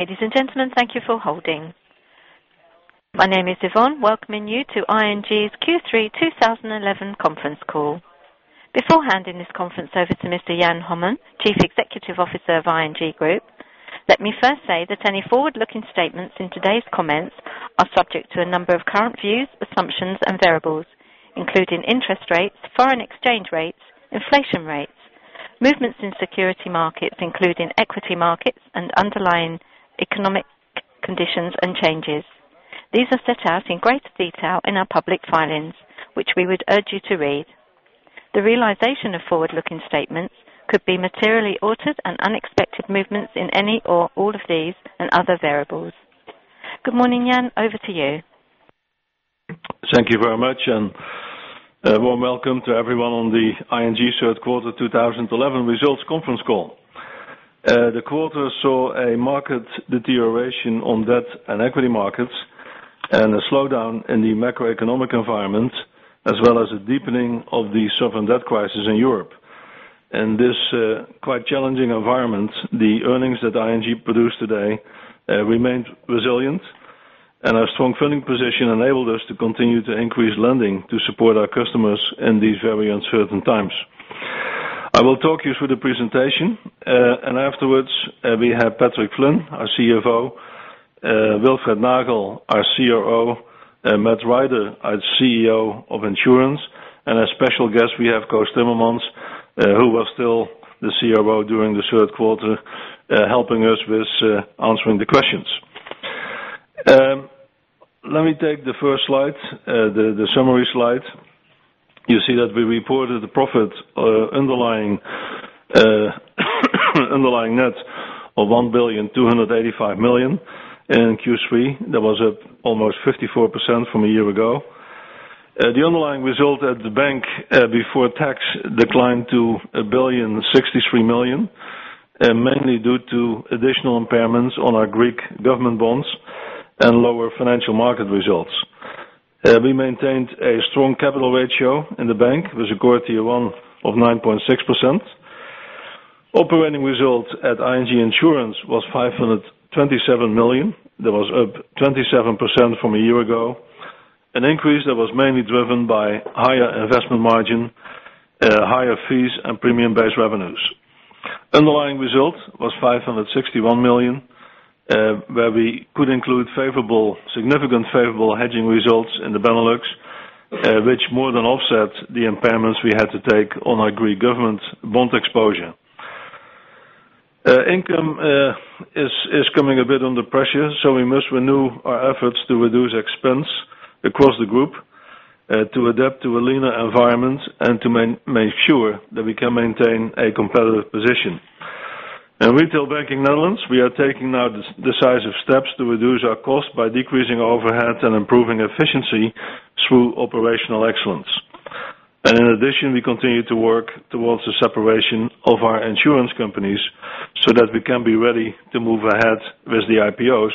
Ladies and gentlemen, thank you for holding. My name is Yvonne, welcoming you to ING Groep N.V.'s Q3 2011 Conference Call. Before handing this conference over to Mr. Jan Hommen, Chief Executive Officer of ING Groep N.V., let me first say that any forward-looking statements in today's comments are subject to a number of current views, assumptions, and variables, including interest rates, foreign exchange rates, inflation rates, movements in security markets, including equity markets, and underlying economic conditions and changes. These are set out in greater detail in our public filings, which we would urge you to read. The realization of forward-looking statements could be materially altered and unexpected movements in any or all of these and other variables. Good morning, Jan. Over to you. Thank you very much, and a warm welcome to everyone on the ING Third Quarter 2011 Results Conference Call. The quarter saw a marked deterioration on debt and equity markets, and a slowdown in the macroeconomic environment, as well as a deepening of the sovereign debt crisis in Europe. In this quite challenging environment, the earnings that ING produced today remained resilient, and our strong funding position enabled us to continue to increase lending to support our customers in these very uncertain times. I will talk you through the presentation, and afterwards, we have Patrick Flynn, our CFO, Wilfred Nagel, our CRO, Matt Ryder, our CEO of Insurance, and as special guests, we have Kosty Mammons, who was still the CRO during the third quarter, helping us with answering the questions. Let me take the first slide, the summary slide. You see that we reported the profit underlying net of 1.285 billion in Q3. That was up almost 54% from a year ago. The underlying result at the bank before tax declined to 1.063 billion, mainly due to additional impairments on our Greek government bonds and lower financial market results. We maintained a strong capital ratio in the bank with a core Tier 1 ratio of 9.6%. Operating result at ING Insurance was 527 million. That was up 27% from a year ago, an increase that was mainly driven by higher investment margin, higher fees, and premium-based revenues. Underlying result was 561 million, where we could include significant favorable hedging results in the Benelux, which more than offset the impairments we had to take on our Greek government bond exposure. Income is coming a bit under pressure, so we must renew our efforts to reduce expense across the group, to adapt to a leaner environment, and to make sure that we can maintain a competitive position. In retail banking Netherlands, we are taking now decisive steps to reduce our costs by decreasing our overheads and improving efficiency through operational excellence. In addition, we continue to work towards the separation of our insurance companies so that we can be ready to move ahead with the IPOs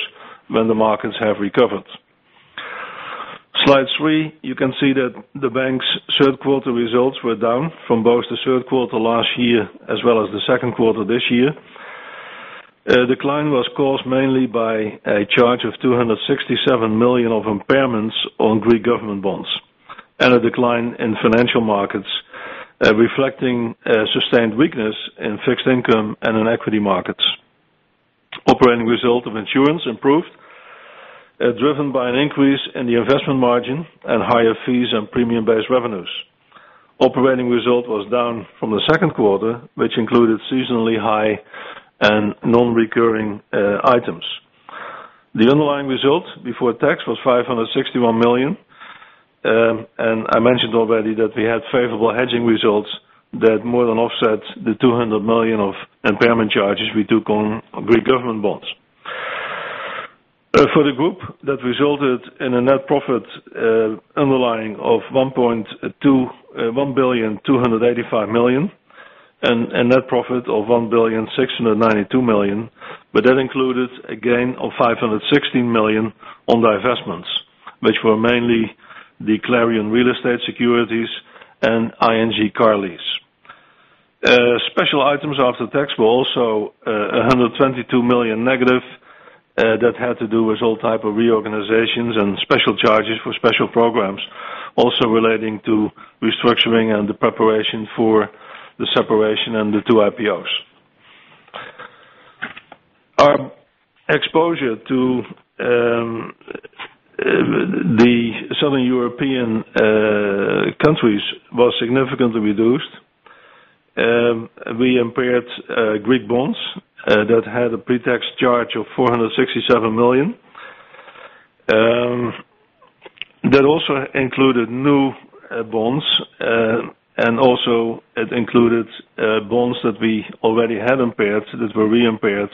when the markets have recovered. Slide three, you can see that the bank's third quarter results were down from both the third quarter last year as well as the second quarter this year. The decline was caused mainly by a charge of 267 million of impairments on Greek government bonds and a decline in financial markets, reflecting sustained weakness in fixed income and in equity markets. Operating result of insurance improved, driven by an increase in the investment margin and higher fees and premium-based revenues. Operating result was down from the second quarter, which included seasonally high and non-recurring items. The underlying result before tax was 561 million, and I mentioned already that we had favorable hedging results that more than offset the 200 million of impairment charges we took on Greek government bonds. For the group, that resulted in a net profit underlying of 1.285 billion and a net profit of 1.692 billion, but that included a gain of 516 million on divestments, which were mainly the Clarion Real Estate Securities and ING Car Lease. Special items after tax were also -122 million. That had to do with all types of reorganizations and special charges for special programs, also relating to restructuring and the preparation for the separation and the two IPOs. Our exposure to the Southern European countries was significantly reduced. We impaired Greek bonds that had a pre-tax charge of 467 million. That also included new bonds, and also it included bonds that we already had impaired, that were re-impaired,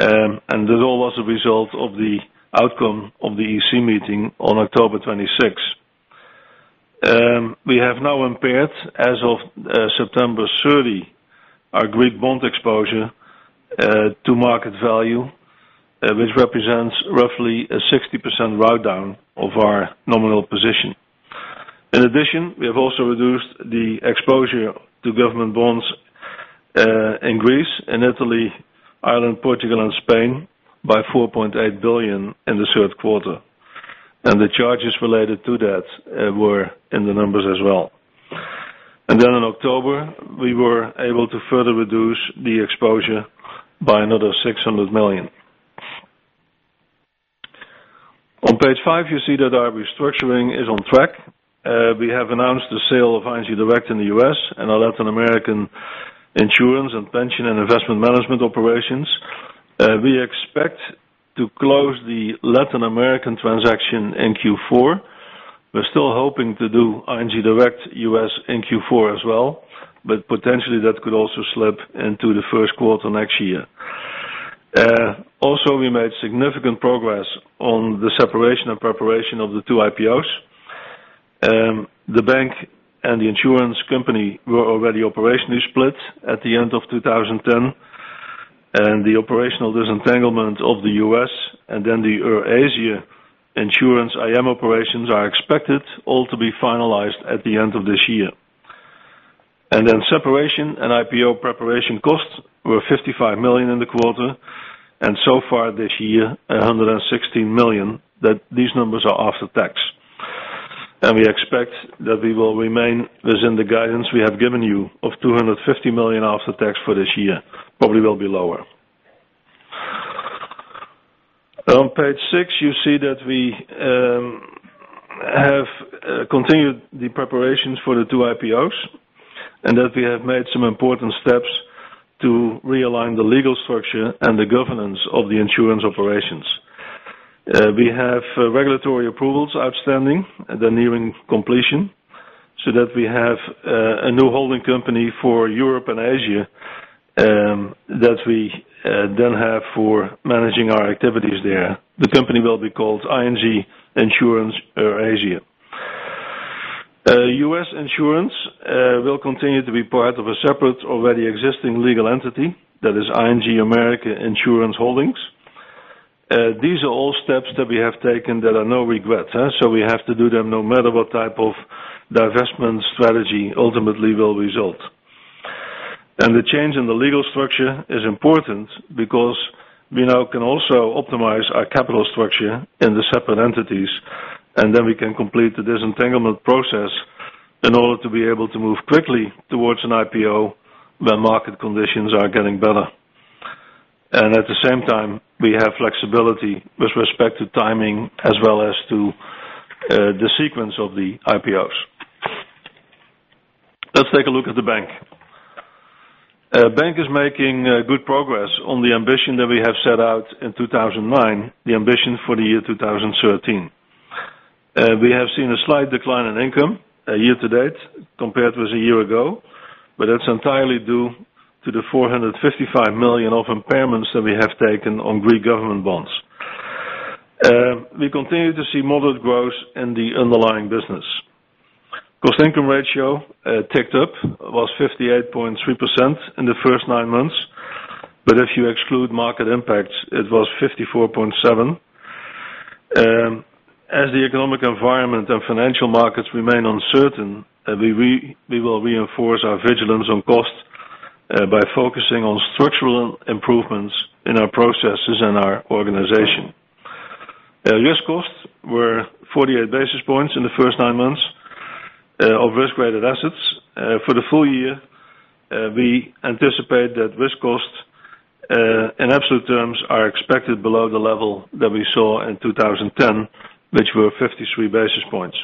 and that all was a result of the outcome of the EC meeting on October 26. We have now impaired, as of September 30, our Greek bond exposure to market value, which represents roughly a 60% write-down of our nominal position. In addition, we have also reduced the exposure to government bonds in Greece, in Italy, Ireland, Portugal, and Spain by 4.8 billion in the third quarter, and the charges related to that were in the numbers as well. In October, we were able to further reduce the exposure by another 600 million. On page five, you see that our restructuring is on track. We have announced the sale of ING Direct in the U.S. and our Latin American insurance and pension and investment management operations. We expect to close the Latin American transaction in Q4. We're still hoping to do ING Direct U.S. in Q4 as well, but potentially that could also slip into the first quarter next year. We made significant progress on the separation and preparation of the two IPOs. The bank and the insurance company were already operationally split at the end of 2010, and the operational disentanglement of the U.S. and then the Eurasia insurance IM operations are expected all to be finalized at the end of this year. Separation and IPO preparation costs were 55 million in the quarter, and so far this year, 116 million. These numbers are after tax, and we expect that we will remain within the guidance we have given you of 250 million after tax for this year. Probably will be lower. On page six, you see that we have continued the preparations for the two IPOs and that we have made some important steps to realign the legal structure and the governance of the insurance operations. We have regulatory approvals outstanding and are nearing completion so that we have a new holding company for Europe and Asia that we then have for managing our activities there. The company will be called ING Insurance Eurasia. U.S. insurance will continue to be part of a separate already existing legal entity that is ING America Insurance Holdings. These are all steps that we have taken that are no regrets, so we have to do them no matter what type of divestment strategy ultimately will result. The change in the legal structure is important because we now can also optimize our capital structure in the separate entities, and then we can complete the disentanglement process in order to be able to move quickly towards an IPO when market conditions are getting better. At the same time, we have flexibility with respect to timing as well as to the sequence of the IPOs. Let's take a look at the bank. The bank is making good progress on the ambition that we have set out in 2009, the ambition for the year 2013. We have seen a slight decline in income year to date compared with a year ago, but that's entirely due to the 455 million of impairments that we have taken on Greek government bonds. We continue to see moderate growth in the underlying business. Cost-income ratio ticked up, was 58.3% in the first nine months, but if you exclude market impacts, it was 54.7%. As the economic environment and financial markets remain uncertain, we will reinforce our vigilance on costs by focusing on structural improvements in our processes and our organization. Risk costs were 48 basis points in the first nine months of risk-rated assets. For the full year, we anticipate that risk costs in absolute terms are expected below the level that we saw in 2010, which were 53 basis points.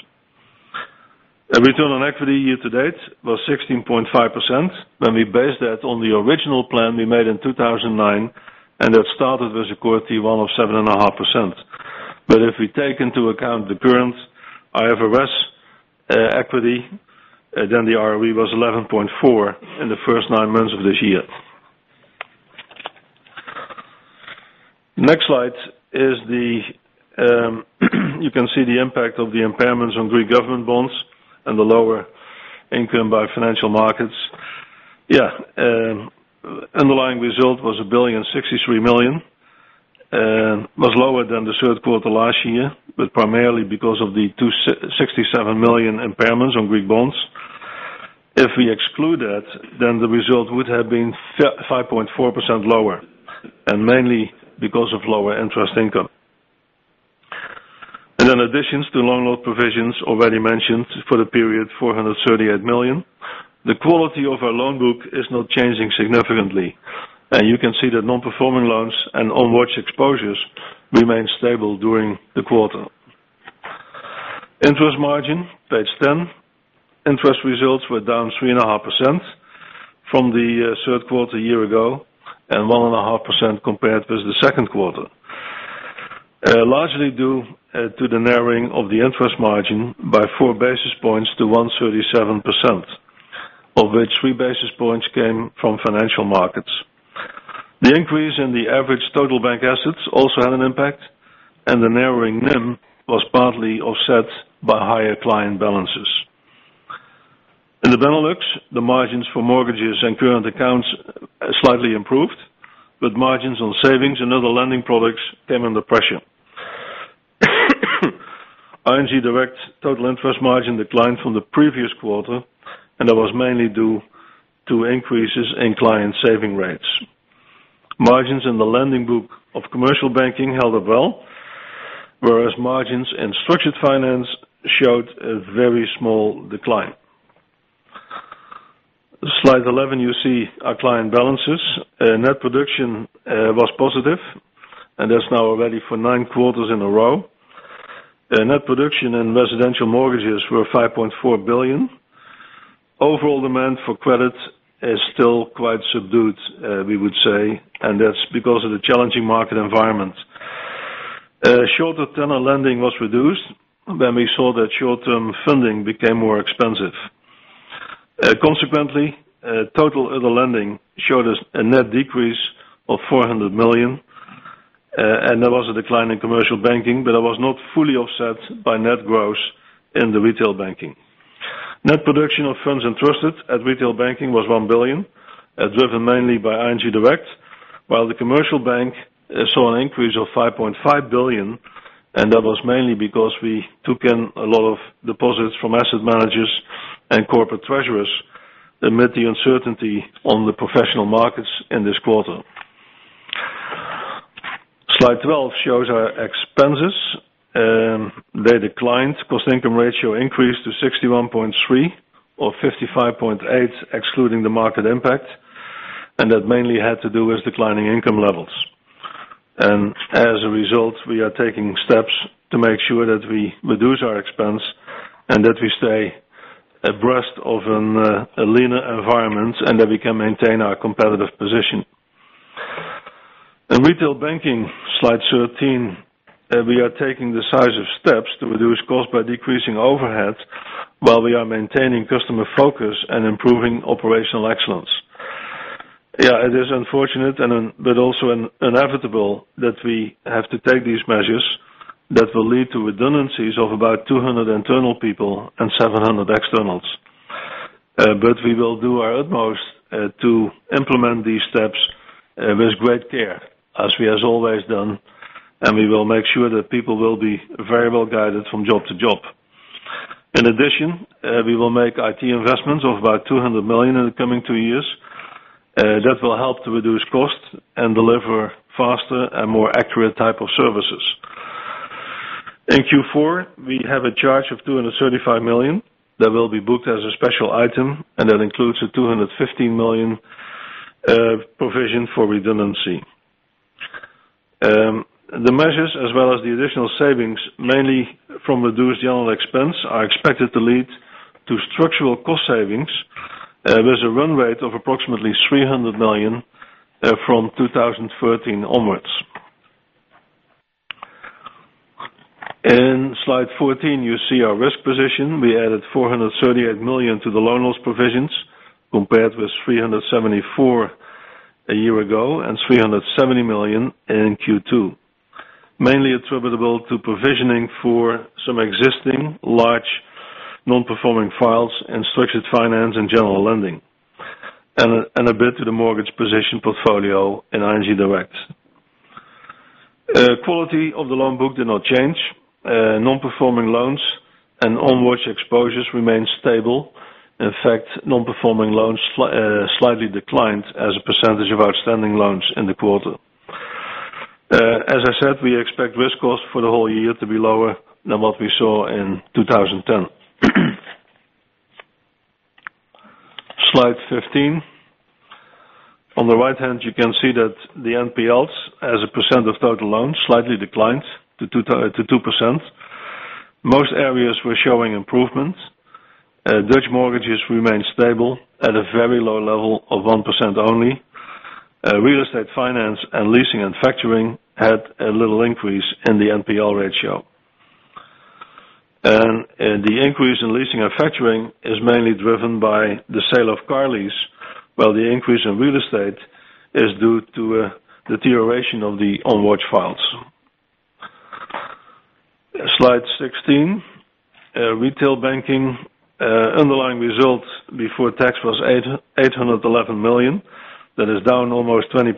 Return on equity year to date was 16.5% when we based that on the original plan we made in 2009, and that started with a core Tier 1 ratio of 7.5%. If we take into account the current IFRS equity, then the ROE was 11.4% in the first nine months of this year. Next slide, you can see the impact of the impairments on Greek government bonds and the lower income by financial markets. Underlying result was 1.063 billion, was lower than the third quarter last year, but primarily because of the 267 million impairments on Greek bonds. If we exclude that, then the result would have been 5.4% lower, mainly because of lower interest income. Additions to loan loss provisions already mentioned for the period 438 million. The quality of our loan book is not changing significantly, and you can see that non-performing loans and onwards exposures remain stable during the quarter. Interest margin, page 10, interest results were down 3.5% from the third quarter a year ago and 1.5% compared with the second quarter, largely due to the narrowing of the interest margin by 4 basis points to 1.37%, of which 3 basis points came from financial markets. The increase in the average total bank assets also had an impact, and the narrowing net interest margin was partly offset by higher client balances. In the Benelux, the margins for mortgages and current accounts slightly improved, but margins on savings and other lending products came under pressure. ING Direct total interest margin declined from the previous quarter, and that was mainly due to increases in client saving rates. Margins in the lending book of commercial banking held up well, whereas margins in structured finance showed a very small decline. Slide 11, you see our client balances. Net production was positive, and that's now already for nine quarters in a row. Net production in residential mortgages was 5.4 billion. Overall demand for credit is still quite subdued, we would say, and that's because of the challenging market environment. Shorter tenor lending was reduced when we saw that short-term funding became more expensive. Consequently, total other lending showed a net decrease of 400 million, and there was a decline in commercial banking, but it was not fully offset by net growth in the retail banking. Net production of funds interested at retail banking was 1 billion, driven mainly by ING Direct, while the commercial bank saw an increase of 5.5 billion, and that was mainly because we took in a lot of deposits from asset managers and corporate treasurers amid the uncertainty on the professional markets in this quarter. Slide 12 shows our expenses. They declined. Cost-income ratio increased to 61.3% or 55.8%, excluding the market impact, and that mainly had to do with declining income levels. As a result, we are taking steps to make sure that we reduce our expense and that we stay abreast of a leaner environment and that we can maintain our competitive position. In retail banking, slide 13, we are taking decisive steps to reduce costs by decreasing overheads while we are maintaining customer focus and improving operational excellence. It is unfortunate but also inevitable that we have to take these measures that will lead to redundancies of about 200 internal people and 700 externals. We will do our utmost to implement these steps with great care, as we have always done, and we will make sure that people will be very well guided from job to job. In addition, we will make IT investments of about 200 million in the coming two years. That will help to reduce costs and deliver faster and more accurate type of services. In Q4, we have a charge of 235 million that will be booked as a special item, and that includes a 215 million provision for redundancy. The measures, as well as the additional savings, mainly from reduced general expense, are expected to lead to structural cost savings with a run rate of approximately 300 million from 2013 onwards. In slide 14, you see our risk position. We added 438 million to the loan loss provisions compared with 374 million a year ago and 370 million in Q2, mainly attributable to provisioning for some existing large non-performing files in structured finance and general lending, and a bit to the mortgage position portfolio in ING Direct. Quality of the loan book did not change. Non-performing loans and onwards exposures remained stable. In fact, non-performing loans slightly declined as a percentage of outstanding loans in the quarter. As I said, we expect risk costs for the whole year to be lower than what we saw in 2010. Slide 15. On the right hand, you can see that the NPLs, as a percent of total loans, slightly declined to 2%. Most areas were showing improvement. Dutch mortgages remained stable at a very low level of 1% only. Real estate finance and leasing and factoring had a little increase in the NPL ratio. The increase in leasing and factoring is mainly driven by the sale of car lease, while the increase in real estate is due to a deterioration of the onwards files. Slide 16. Retail banking underlying result before tax was 811 million. That is down almost 20%.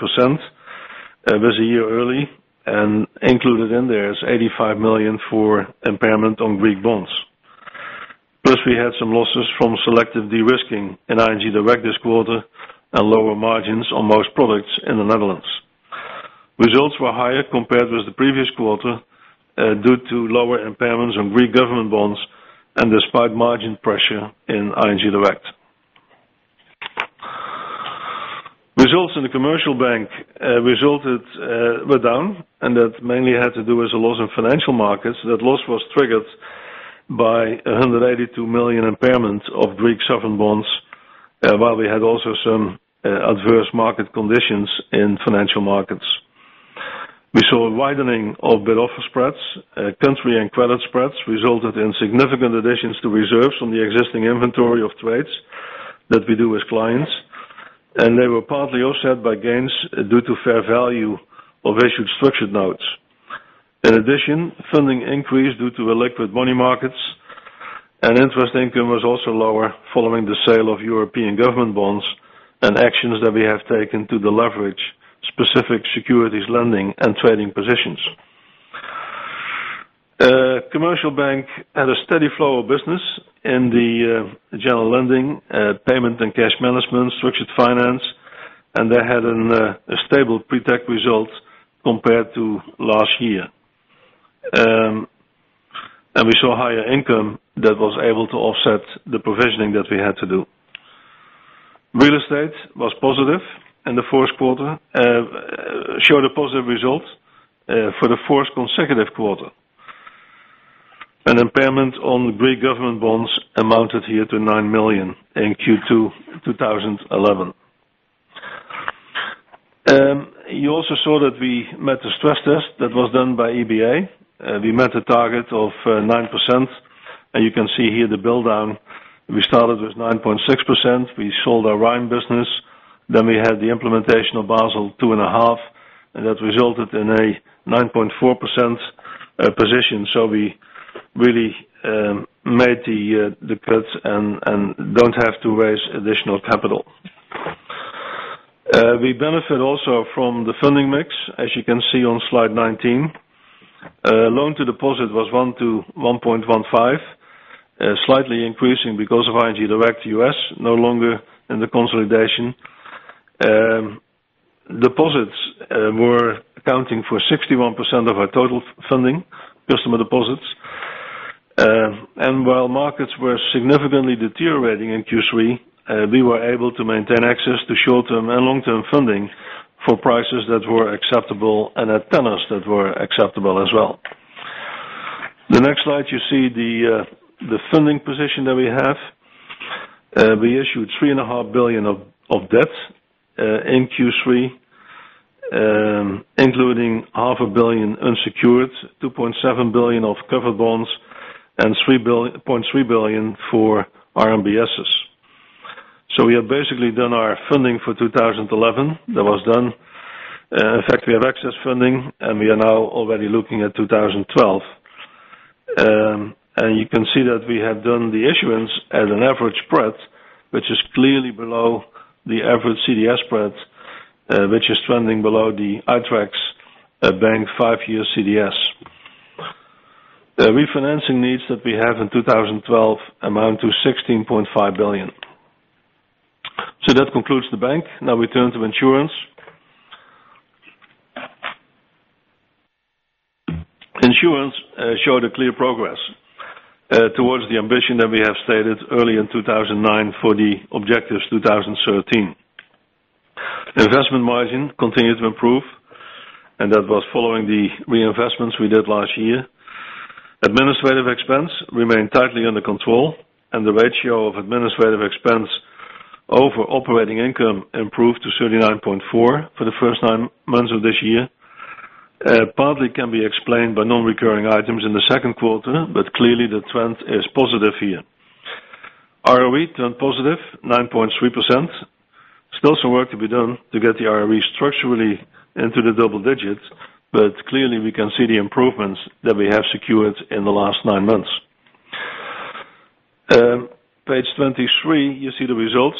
It was a year early, and included in there is 85 million for impairment on Greek bonds. Plus, we had some losses from selective de-risking in ING Direct this quarter and lower margins on most products in the Netherlands. Results were higher compared with the previous quarter due to lower impairments on Greek government bonds and despite margin pressure in ING Direct. Results in the commercial bank were down, and that mainly had to do with the loss in financial markets. That loss was triggered by 182 million impairments of Greek sovereign bonds, while we had also some adverse market conditions in financial markets. We saw a widening of bid-offer spreads. Country and credit spreads resulted in significant additions to reserves on the existing inventory of trades that we do with clients, and they were partly offset by gains due to fair value of issued structured notes. In addition, funding increased due to the liquid money markets, and interest income was also lower following the sale of European government bonds and actions that we have taken to deleverage specific securities lending and trading positions. Commercial bank had a steady flow of business in the general lending, payment and cash management, structured finance, and they had a stable pre-tax result compared to last year. We saw higher income that was able to offset the provisioning that we had to do. Real estate was positive in the first quarter, showed a positive result for the first consecutive quarter. An impairment on Greek government bonds amounted here to 9 million in Q2 2011. You also saw that we met the stress test that was done by EBA. We met the target of 9%, and you can see here the build-down. We started with 9.6%. We sold our Rhine business. We had the implementation of Basel 2.5, and that resulted in a 9.4% position. We really made the cuts and don't have to raise additional capital. We benefit also from the funding mix, as you can see on slide 19. Loan-to-deposit was 1-1.15, slightly increasing because of ING Direct USA, no longer in the consolidation. Deposits were accounting for 61% of our total funding, customer deposits. While markets were significantly deteriorating in Q3, we were able to maintain access to short-term and long-term funding for prices that were acceptable and at tenors that were acceptable as well. On the next slide, you see the funding position that we have. We issued 3.5 billion of debts in Q3, including 0.5 billion unsecured, 2.7 billion of covered bonds, and 3.3 billion for RMBSs. We have basically done our funding for 2011; that was done. In fact, we have excess funding, and we are now already looking at 2012. You can see that we have done the issuance at an average spread, which is clearly below the average CDS spread, which is trending below the ITREX bank five-year CDS. The refinancing needs that we have in 2012 amount to 16.5 billion. That concludes the bank. Now, we turn to insurance. Insurance showed clear progress towards the ambition that we have stated early in 2009 for the objectives 2013. Investment margin continued to improve, and that was following the reinvestments we did last year. Administrative expense remained tightly under control, and the ratio of administrative expense over operating income improved to 39.4% for the first nine months of this year. Partly, this can be explained by non-recurring items in the second quarter, but clearly, the trend is positive here. ROE turned positive, 9.3%. Still some work to be done to get the ROE structurally into the double digits, but clearly, we can see the improvements that we have secured in the last nine months. On page 23, you see the results.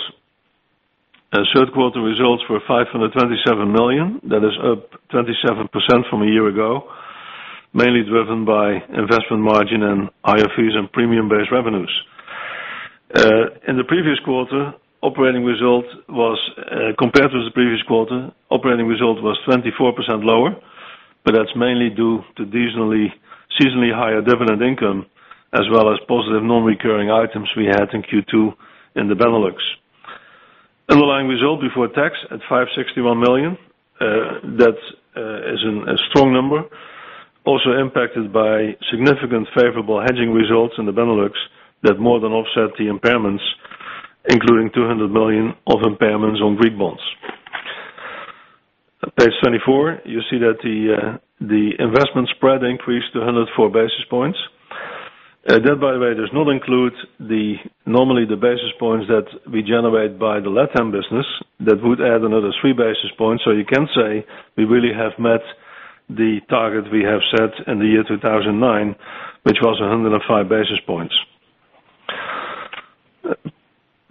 Third quarter results were 527 million. That is up 27% from a year ago, mainly driven by investment margin and higher fees and premium-based revenues. In the previous quarter, operating result was compared with the previous quarter, operating result was 24% lower, but that's mainly due to seasonally higher dividend income, as well as positive non-recurring items we had in Q2 in the Benelux. Underlying result before tax at 561 million. That is a strong number, also impacted by significant favorable hedging results in the Benelux that more than offset the impairments, including 200 million of impairments on Greek bonds. On page 24, you see that the investment spread increased to 104 basis points. That, by the way, does not include normally the basis points that we generate by the LATAM business. That would add another 3 basis points, so you can say we really have met the target we have set in the year 2009, which was 105 basis points.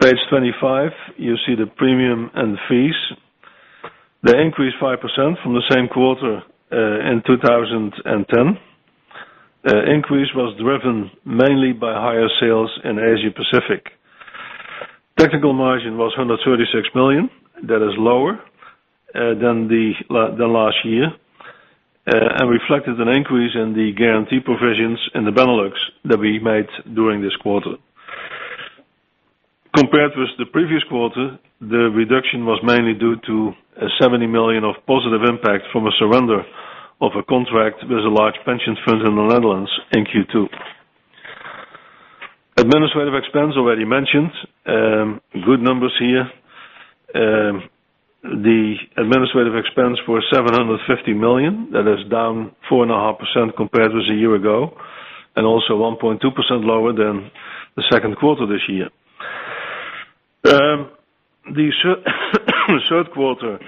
Page 25, you see the premium and the fees. They increased 5% from the same quarter in 2010. The increase was driven mainly by higher sales in Asia-Pacific. Technical margin was 136 million. That is lower than last year and reflected an increase in the guarantee provisions in the Benelux that we made during this quarter. Compared with the previous quarter, the reduction was mainly due to 70 million of positive impact from a surrender of a contract with a large pension fund in the Netherlands in Q2. Administrative expense already mentioned, good numbers here. The administrative expense was 750 million. That is down 4.5% compared with a year ago, and also 1.2% lower than the second quarter this year. The third quarter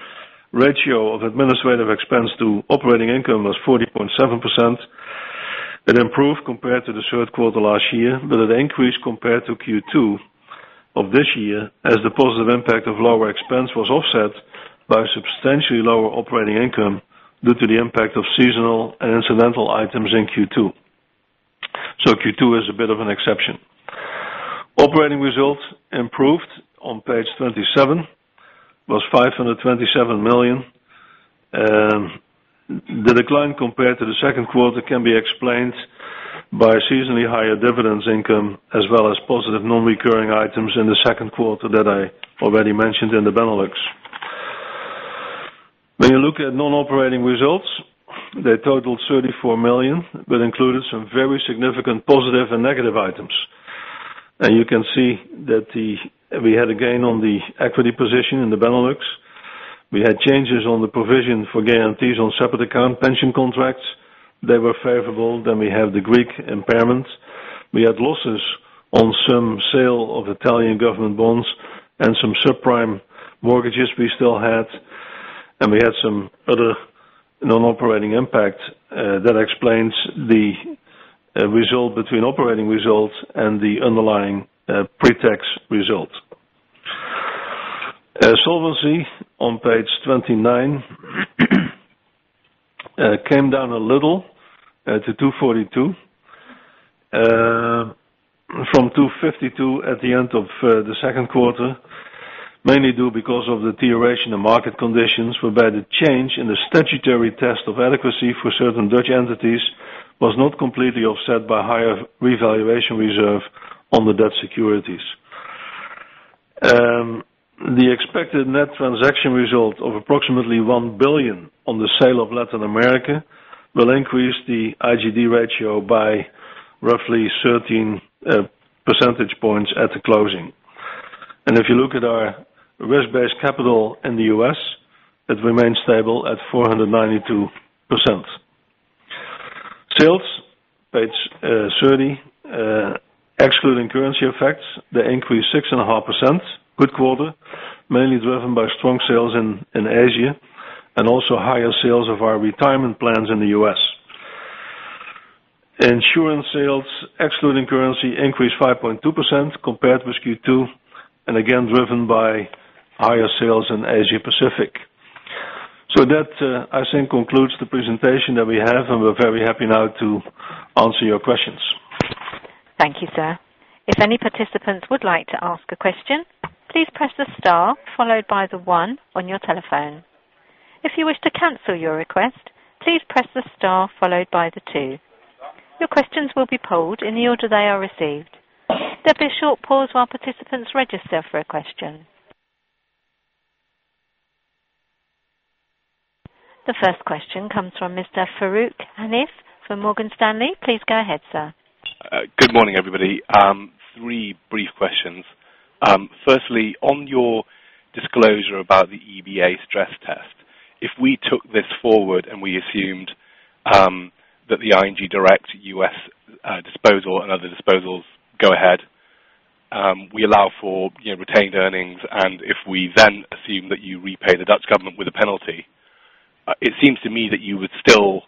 ratio of administrative expense to operating income was 40.7%. It improved compared to the third quarter last year, but it increased compared to Q2 of this year as the positive impact of lower expense was offset by a substantially lower operating income due to the impact of seasonal and incidental items in Q2. Q2 is a bit of an exception. Operating result improved on page 27 was 527 million. The decline compared to the second quarter can be explained by a seasonally higher dividends income, as well as positive non-recurring items in the second quarter that I already mentioned in the Benelux. When you look at non-operating results, they totaled 34 million, but included some very significant positive and negative items. You can see that we had a gain on the equity position in the Benelux. We had changes on the provision for guarantees on separate account pension contracts. They were favorable. We have the Greek impairments. We had losses on some sale of Italian government bonds and some subprime mortgages we still had, and we had some other non-operating impact. That explains the result between operating result and the underlying pre-tax result. Solvency on page 29 came down a little to 242 from 252 at the end of the second quarter, mainly due because of the deterioration in market conditions, whereby the change in the statutory test of adequacy for certain Dutch entities was not completely offset by higher revaluation reserve on the Dutch securities. The expected net transaction result of approximately 1 billion on the sale of Latin America will increase the IGD ratio by roughly 13% at the closing. If you look at our risk-based capital in the U.S., it remains stable at 492%. Sales page 30, excluding currency effects, they increased 6.5%, good quarter, mainly driven by strong sales in Asia and also higher sales of our retirement plans in the U.S. Insurance sales, excluding currency, increased 5.2% compared with Q2, and again driven by higher sales in Asia-Pacific. That I think concludes the presentation that we have, and we're very happy now to answer your questions. Thank you, sir. If any participants would like to ask a question, please press the star followed by the one on your telephone. If you wish to cancel your request, please press the star followed by the two. Your questions will be pulled in the order they are received. There will be a short pause while participants register for a question. The first question comes from Mr. Farouk Hanif from Morgan Stanley. Please go ahead, sir. Good morning, everybody. Three brief questions. Firstly, on your disclosure about the EBA stress test, if we took this forward and we assumed that the ING Direct US disposal and other disposals go ahead, we allow for retained earnings, and if we then assume that you repay the Dutch government with a penalty, it seems to me that you would still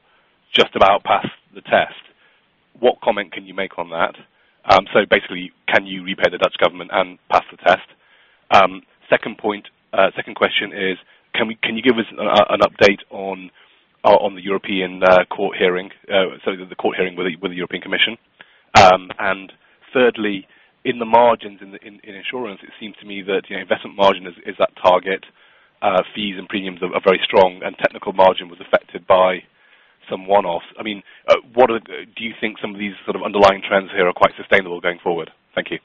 just about pass the test. What comment can you make on that? Basically, can you repay the Dutch government and pass the test? Second question is, can you give us an update on the European court hearing, so the court hearing with the European Commission? Thirdly, in the margins in insurance, it seems to me that investment margin is at target, fees and premiums are very strong, and technical margin was affected by some one-offs. Do you think some of these underlying trends here are quite sustainable going forward? Thank you.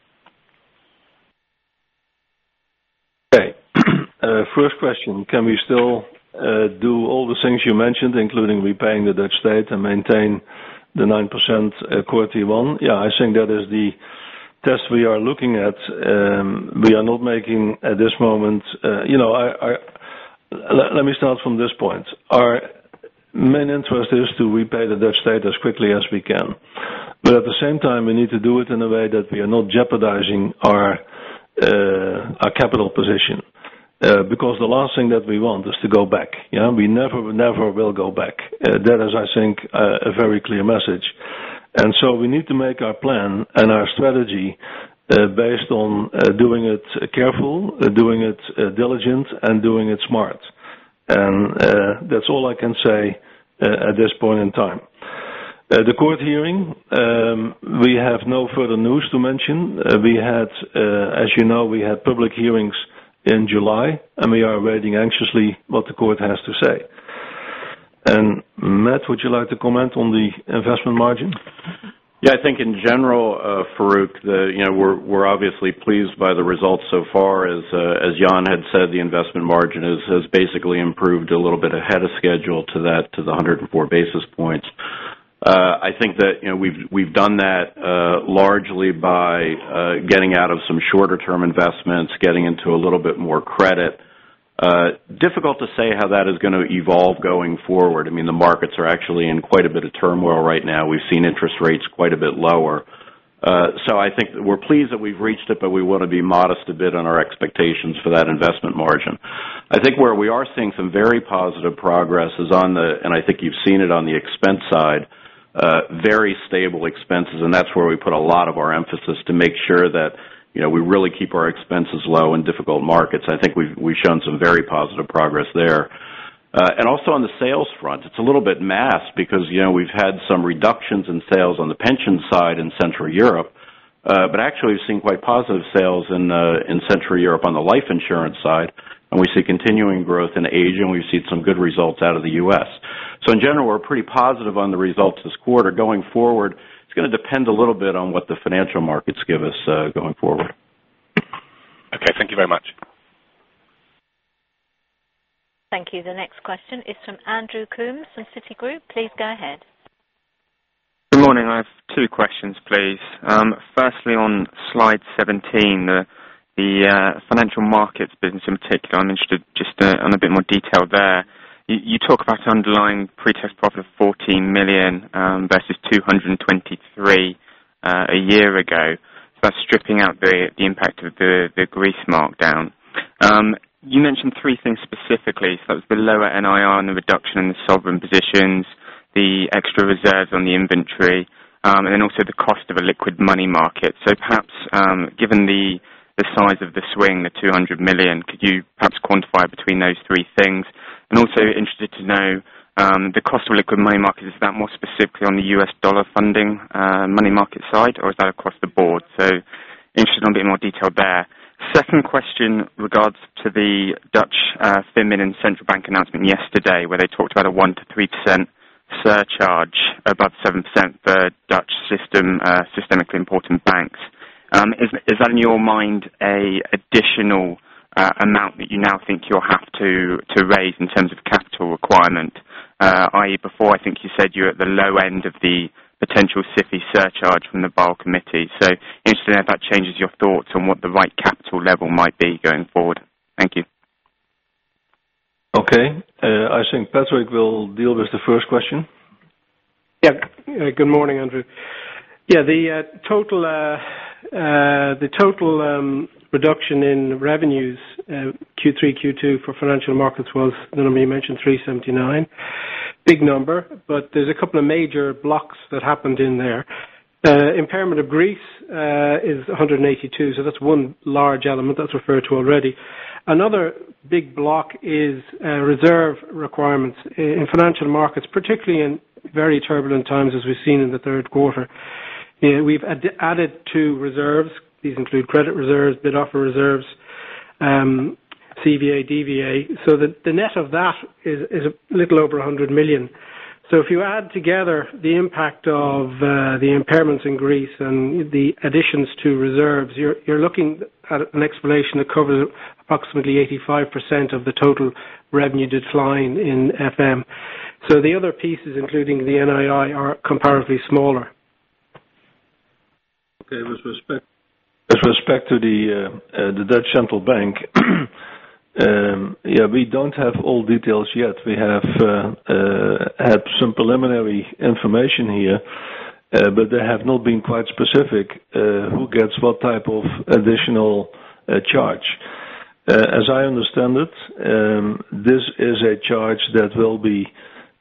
Okay. First question, can we still do all the things you mentioned, including repaying the Dutch state and maintain the 9% core Tier 1? Yeah, I think that is the test we are looking at. We are not making at this moment. Let me start from this point. Our main interest is to repay the Dutch state as quickly as we can, but at the same time, we need to do it in a way that we are not jeopardizing our capital position because the last thing that we want is to go back. We never, never will go back. That is, I think, a very clear message. We need to make our plan and our strategy based on doing it careful, doing it diligent, and doing it smart. That's all I can say at this point in time. The court hearing, we have no further news to mention. As you know, we had public hearings in July, and we are waiting anxiously what the court has to say. Matt, would you like to comment on the investment margin? Yeah, I think in general, Farquhar, we're obviously pleased by the results so far. As Jan had said, the investment margin has basically improved a little bit ahead of schedule to the 104 basis points. I think that we've done that largely by getting out of some shorter-term investments, getting into a little bit more credit. Difficult to say how that is going to evolve going forward. I mean, the markets are actually in quite a bit of turmoil right now. We've seen interest rates quite a bit lower. I think we're pleased that we've reached it, but we want to be modest a bit on our expectations for that investment margin. I think where we are seeing some very positive progress is on the, and I think you've seen it on the expense side, very stable expenses, and that's where we put a lot of our emphasis to make sure that we really keep our expenses low in difficult markets. I think we've shown some very positive progress there. Also, on the sales front, it's a little bit masked because we've had some reductions in sales on the pension side in Central Europe, but actually, we've seen quite positive sales in Central Europe on the life insurance side, and we see continuing growth in Asia, and we've seen some good results out of the U.S. In general, we're pretty positive on the results this quarter. Going forward, it's going to depend a little bit on what the financial markets give us going forward. Okay, thank you very much. Thank you. The next question is from Andrew Baum from Citigroup. Please go ahead. Good morning. I have two questions, please. Firstly, on slide 17, the financial markets business in particular, I'm interested just on a bit more detail there. You talk about underlying pre-tax profit of 14 million versus 223 million a year ago. That's stripping out the impact of the Greece markdown. You mentioned three things specifically. That was the lower NIR and the reduction in the sovereign positions, the extra reserves on the inventory, and then also the cost of a liquid money market. Perhaps, given the size of the swing, the 200 million, could you perhaps quantify between those three things? Also, interested to know, the cost of liquid money markets, is that more specifically on the U.S. dollar funding money market side, or is that across the board? Interested on a bit more detail there. Second question regards to the Dutch Central Bank announcement yesterday where they talked about a 1%-3% surcharge above 7% for Dutch systemically important banks. Is that in your mind an additional amount that you now think you'll have to raise in terms of capital requirement? I.E., before, I think you said you're at the low end of the potential CIFI surcharge from the Bar Committee. Interested in if that changes your thoughts on what the right capital level might be going forward. Thank you. Okay, I think Patrick will deal with the first question. Yeah. Good morning, Andrew. Yeah, the total reduction in revenues Q3, Q2 for financial markets was, I know you mentioned 379 million, big number, but there's a couple of major blocks that happened in there. Impairment of Greece is 182 million, so that's one large element that's referred to already. Another big block is reserve requirements in financial markets, particularly in very turbulent times as we've seen in the third quarter. We've added two reserves. These include credit reserves, bid-offer reserves, CVA, DVA, so the net of that is a little over 100 million. If you add together the impact of the impairments in Greece and the additions to reserves, you're looking at an explanation that covers approximately 85% of the total revenue decline in FM. The other pieces, including the NII, are comparably smaller. Okay. With respect to the Dutch Central Bank, yeah, we don't have all details yet. We have had some preliminary information here, but they have not been quite specific who gets what type of additional charge. As I understand it, this is a charge that will be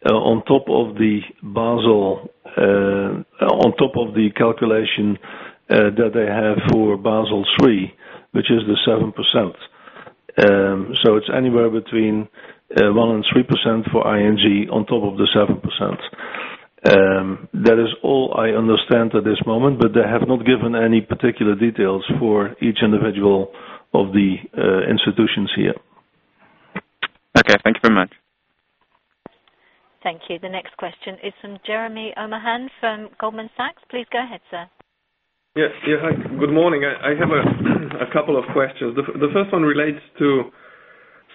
on top of the Basel, on top of the calculation that they have for Basel 3, which is the 7%. It's anywhere between 1% and 3% for ING on top of the 7%. That is all I understand at this moment, but they have not given any particular details for each individual of the institutions here. Okay, thank you very much. Thank you. The next question is from Jeremy Omahan from Goldman Sachs. Please go ahead, sir. Yeah. Good morning. I have a couple of questions. The first one relates to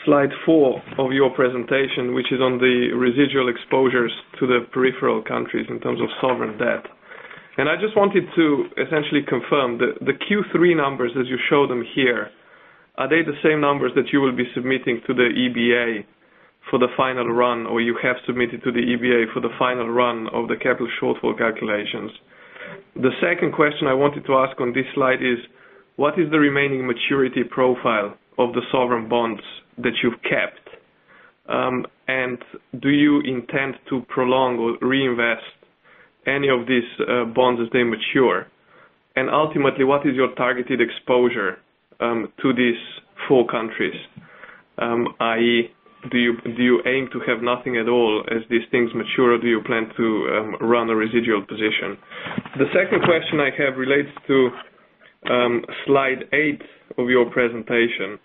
slide four of your presentation, which is on the residual exposures to the peripheral countries in terms of sovereign debt. I just wanted to essentially confirm the Q3 numbers that you showed them here, are they the same numbers that you will be submitting to the EBA for the final run, or you have submitted to the EBA for the final run of the capital shortfall calculations? The second question I wanted to ask on this slide is, what is the remaining maturity profile of the sovereign bonds that you've kept? Do you intend to prolong or reinvest any of these bonds as they mature? Ultimately, what is your targeted exposure to these four countries? I.E., do you aim to have nothing at all as these things mature, or do you plan to run a residual position? The second question I have relates to slide eight of your presentation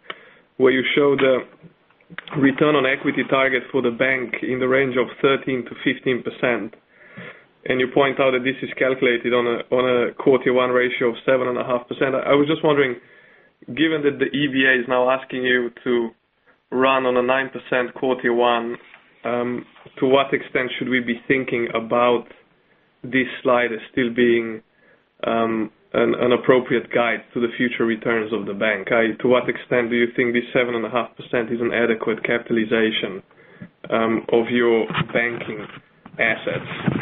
where you show the return on equity target for the bank in the range of 13%-15%, and you point out that this is calculated on a core Tier 1 ratio of 7.5%. I was just wondering, given that the EBA is now asking you to run on a 9% core Tier 1, to what extent should we be thinking about this slide as still being an appropriate guide to the future returns of the bank? To what extent do you think this 7.5% is an adequate capitalization of your banking assets?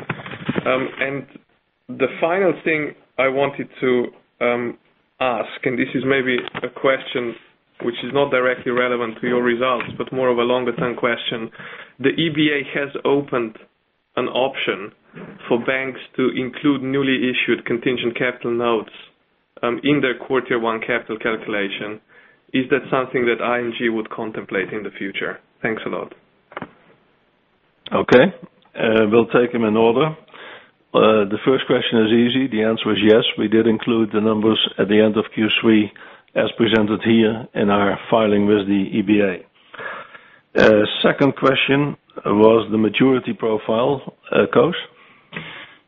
The final thing I wanted to ask, and this is maybe a question which is not directly relevant to your results, but more of a longer-term question, the EBA has opened an option for banks to include newly issued contingent capital notes in their core Tier 1 capital calculation. Is that something that ING would contemplate in the future? Thanks a lot. Okay. We'll take them in order. The first question is easy. The answer is yes. We did include the numbers at the end of Q3 as presented here in our filing with the EBA. Second question was the maturity profile cost.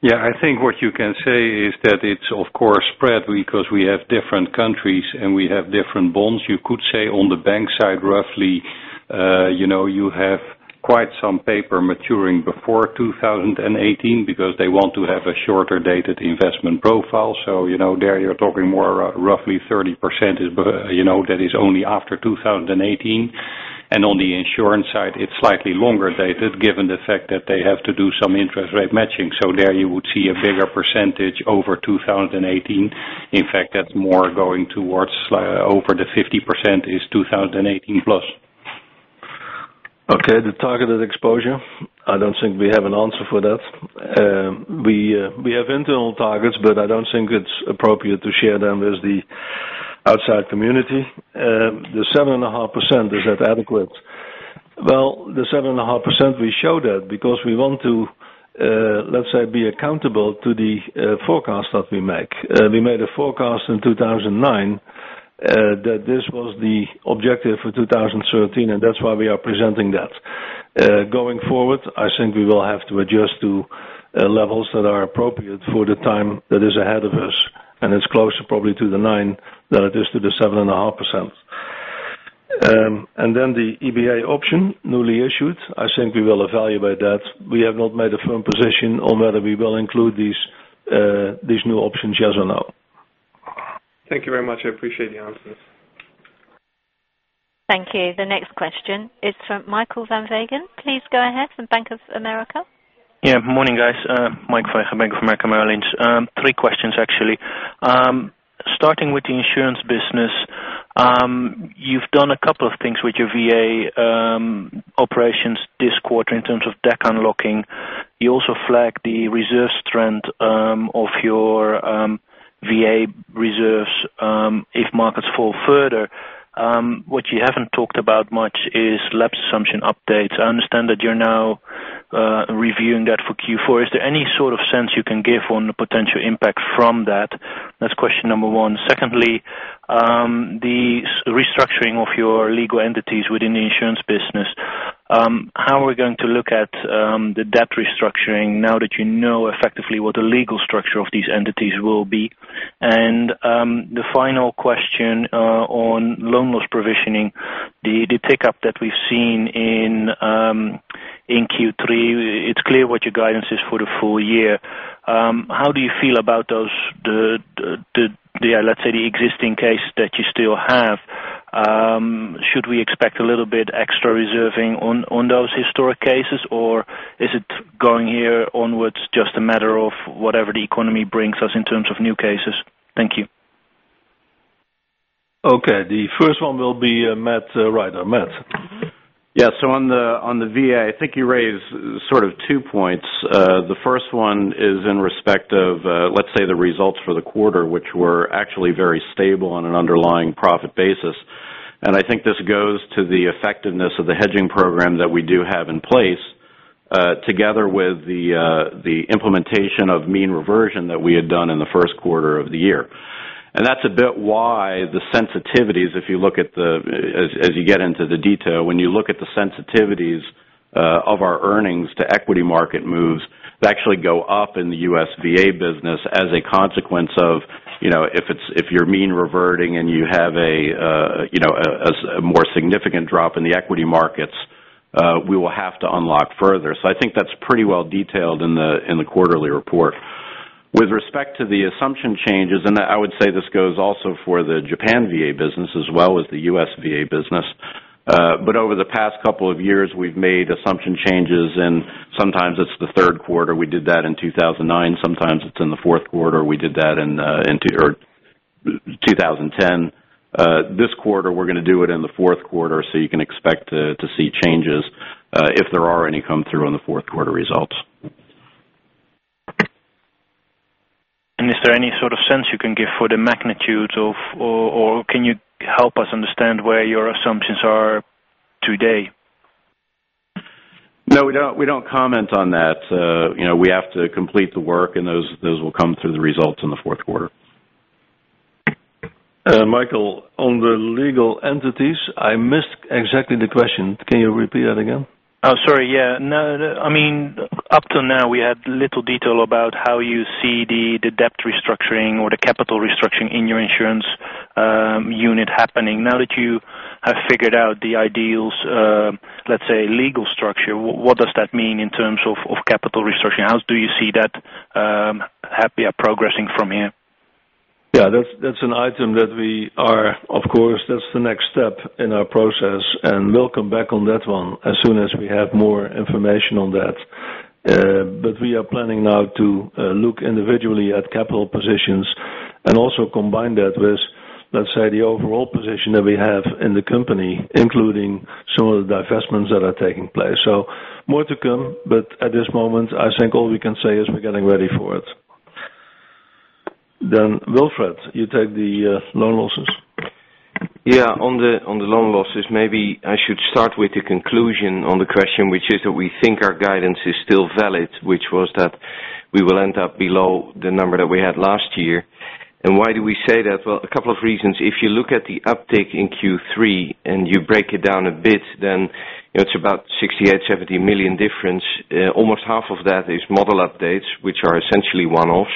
Yeah, I think what you can say is that it's, of course, spread because we have different countries and we have different bonds. You could say on the bank side, roughly, you have quite some paper maturing before 2018 because they want to have a shorter dated investment profile. You know, there you're talking more roughly 30% that is only after 2018. On the insurance side, it's slightly longer dated given the fact that they have to do some interest rate matching. There you would see a bigger percentage over 2018. In fact, that's more going towards over the 50% is 2018+. Okay. The targeted exposure, I don't think we have an answer for that. We have internal targets, but I don't think it's appropriate to share them with the outside community. The 7.5%, is that adequate? The 7.5%, we show that because we want to, let's say, be accountable to the forecast that we make. We made a forecast in 2009 that this was the objective for 2013, and that's why we are presenting that. Going forward, I think we will have to adjust to levels that are appropriate for the time that is ahead of us, and it's closer probably to the 9% than it is to the 7.5%. The EBA option newly issued, I think we will evaluate that. We have not made a firm position on whether we will include these new options, yes or no. Thank you very much. I appreciate the answers. Thank you. The next question is from Michael Van Wegen. Please go ahead, from Bank of America. Yeah. Morning, guys. Mike Wega from Bank of America Merrill Lynch. Three questions, actually. Starting with the insurance business, you've done a couple of things with your VA operations this quarter in terms of debt unlocking. You also flagged the reserve strength of your VA reserves if markets fall further. What you haven't talked about much is LAPS assumption updates. I understand that you're now reviewing that for Q4. Is there any sort of sense you can give on the potential impact from that? That's question number one. Secondly, the restructuring of your legal entities within the insurance business, how are we going to look at the debt restructuring now that you know effectively what the legal structure of these entities will be? The final question on loan loss provisioning, the pickup that we've seen in Q3, it's clear what your guidance is for the full year. How do you feel about those, let's say, the existing case that you still have? Should we expect a little bit extra reserving on those historic cases, or is it going here onwards just a matter of whatever the economy brings us in terms of new cases? Thank you. Okay. The first one will be Matt Ryder. Matt. Yeah. On the VA, I think you raised sort of two points. The first one is in respect of, let's say, the results for the quarter, which were actually very stable on an underlying profit basis. I think this goes to the effectiveness of the hedging program that we do have in place, together with the implementation of mean reversion that we had done in the first quarter of the year. That's a bit why the sensitivities, if you look at the, as you get into the detail, when you look at the sensitivities of our earnings to equity market moves, they actually go up in the U.S. VA business as a consequence of, you know, if you're mean reverting and you have a more significant drop in the equity markets, we will have to unlock further. I think that's pretty well detailed in the quarterly report. With respect to the assumption changes, and I would say this goes also for the Japan VA business as well as the U.S. VA business, but over the past couple of years, we've made assumption changes, and sometimes it's the third quarter. We did that in 2009. Sometimes it's in the fourth quarter. We did that in 2010. This quarter, we're going to do it in the fourth quarter, so you can expect to see changes if there are any come through in the fourth quarter results. Is there any sort of sense you can give for the magnitudes, or can you help us understand where your assumptions are today? No, we don't comment on that. We have to complete the work, and those will come through the results in the fourth quarter. Michael, on the legal entities, I missed exactly the question. Can you repeat that again? Oh, sorry. Yeah. I mean, up till now, we had little detail about how you see the debt restructuring or the capital restructuring in your insurance unit happening. Now that you have figured out the ideal, let's say, legal structure, what does that mean in terms of capital restructuring? How do you see that happening progressing from here? Yeah, that's an item that we are, of course, that's the next step in our process, and we'll come back on that one as soon as we have more information on that. We are planning now to look individually at capital positions and also combine that with, let's say, the overall position that we have in the company, including some of the divestments that are taking place. More to come, but at this moment, I think all we can say is we're getting ready for it. Wilfred, you take the loan losses. Yeah. On the loan losses, maybe I should start with the conclusion on the question, which is that we think our guidance is still valid, which was that we will end up below the number that we had last year. Why do we say that? A couple of reasons. If you look at the uptake in Q3 and you break it down a bit, then it's about 68 million, 70 million difference. Almost half of that is model updates, which are essentially one-offs,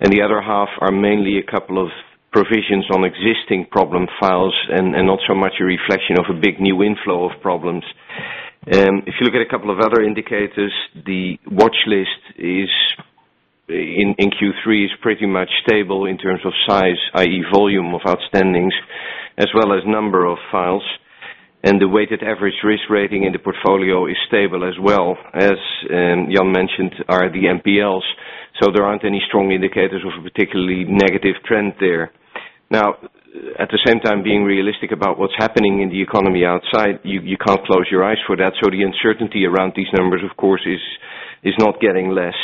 and the other half are mainly a couple of provisions on existing problem files and not so much a reflection of a big new inflow of problems. If you look at a couple of other indicators, the watchlist in Q3 is pretty much stable in terms of size, i.e., volume of outstandings, as well as number of files. The weighted average risk rating in the portfolio is stable as well. As Jan mentioned, are the NPLs, so there aren't any strong indicators of a particularly negative trend there. At the same time, being realistic about what's happening in the economy outside, you can't close your eyes for that. The uncertainty around these numbers, of course, is not getting less.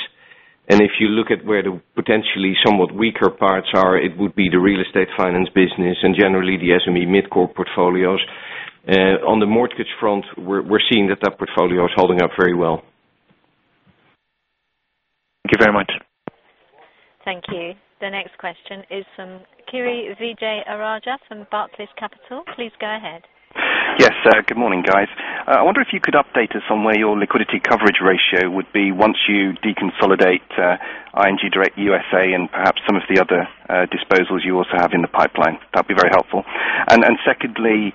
If you look at where the potentially somewhat weaker parts are, it would be the real estate finance business and generally the SME mid-corp portfolios. On the mortgage front, we're seeing that that portfolio is holding up very well. Thank you very much. Thank you. The next question is from Kiri Vijayarajah from Baclays Capital. Please go ahead. Yes. Good morning, guys. I wonder if you could update us on where your liquidity coverage ratio would be once you deconsolidate ING Direct USA and perhaps some of the other disposals you also have in the pipeline. That would be very helpful. Secondly,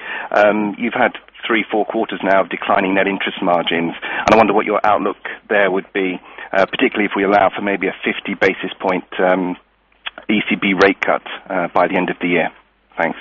you've had three, four quarters now of declining net interest margins, and I wonder what your outlook there would be, particularly if we allow for maybe a 50 basis points ECB rate cut by the end of the year. Thanks.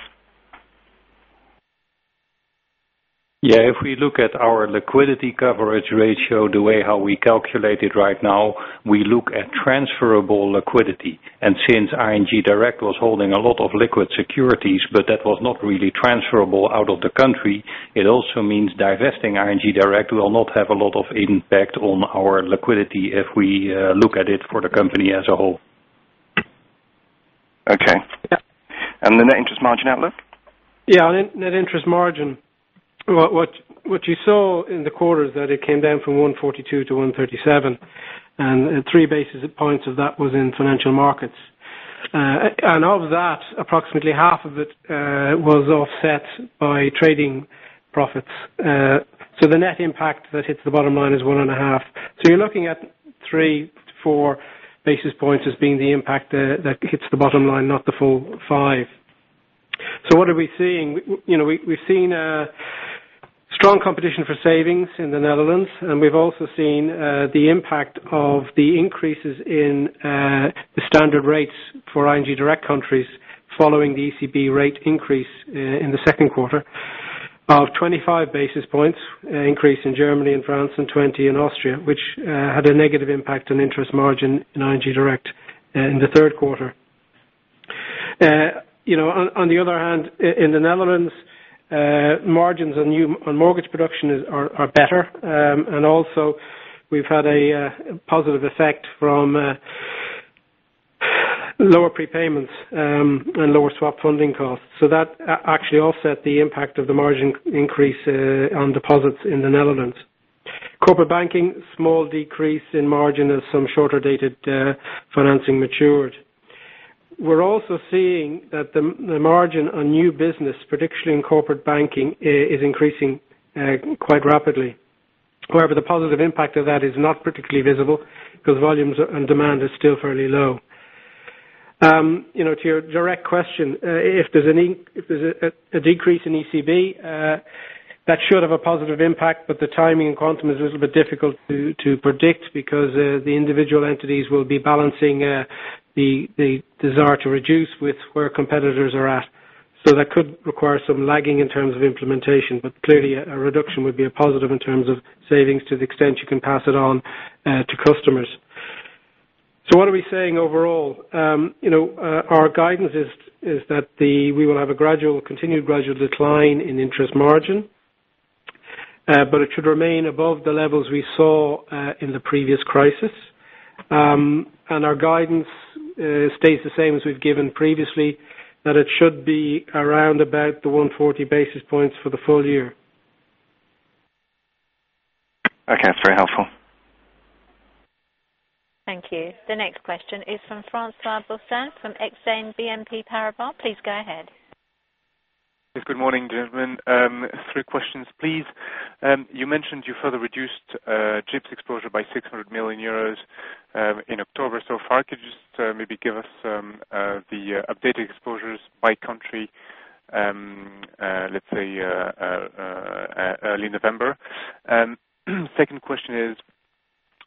Yeah. If we look at our liquidity coverage ratio, the way how we calculate it right now, we look at transferable liquidity. Since ING Direct was holding a lot of liquid securities, but that was not really transferable out of the country, it also means divesting ING Direct will not have a lot of impact on our liquidity if we look at it for the company as a whole. Okay. Yeah, the net interest margin outlook? Yeah. Net interest margin, what you saw in the quarter is that it came down from 142 to 137, and three basis points of that was in financial markets. Of that, approximately half of it was offset by trading profits. The net impact that hits the bottom line is 1.5. You're looking at three to four basis points as being the impact that hits the bottom line, not the full five. What are we seeing? We've seen a strong competition for savings in the Netherlands, and we've also seen the impact of the increases in the standard rates for ING Direct countries following the ECB rate increase in the second quarter of 25 basis points increase in Germany and France and 20 in Austria, which had a negative impact on interest margin in ING Direct in the third quarter. On the other hand, in the Netherlands, margins on mortgage production are better, and also we've had a positive effect from lower prepayments and lower swap funding costs. That actually offset the impact of the margin increase on deposits in the Netherlands. Corporate banking, small decrease in margin as some shorter dated financing matured. We're also seeing that the margin on new business, particularly in corporate banking, is increasing quite rapidly. However, the positive impact of that is not particularly visible because volumes and demand are still fairly low. To your direct question, if there's a decrease in ECB, that should have a positive impact, but the timing and quantum is a little bit difficult to predict because the individual entities will be balancing the desire to reduce with where competitors are at. That could require some lagging in terms of implementation, but clearly, a reduction would be a positive in terms of savings to the extent you can pass it on to customers. What are we saying overall? Our guidance is that we will have a continued gradual decline in interest margin, but it should remain above the levels we saw in the previous crisis. Our guidance stays the same as we've given previously, that it should be around about the 140 basis points for the full year. Okay, that's very helpful. Thank you. The next question is from Francois Bossin from Exane BNP Paribas. Please go ahead. Good morning, gentlemen. Three questions, please. You mentioned you further reduced CHIPS exposure by 600 million euros in October so far. Could you just maybe give us the updated exposures by country, let's say, early November? Second question is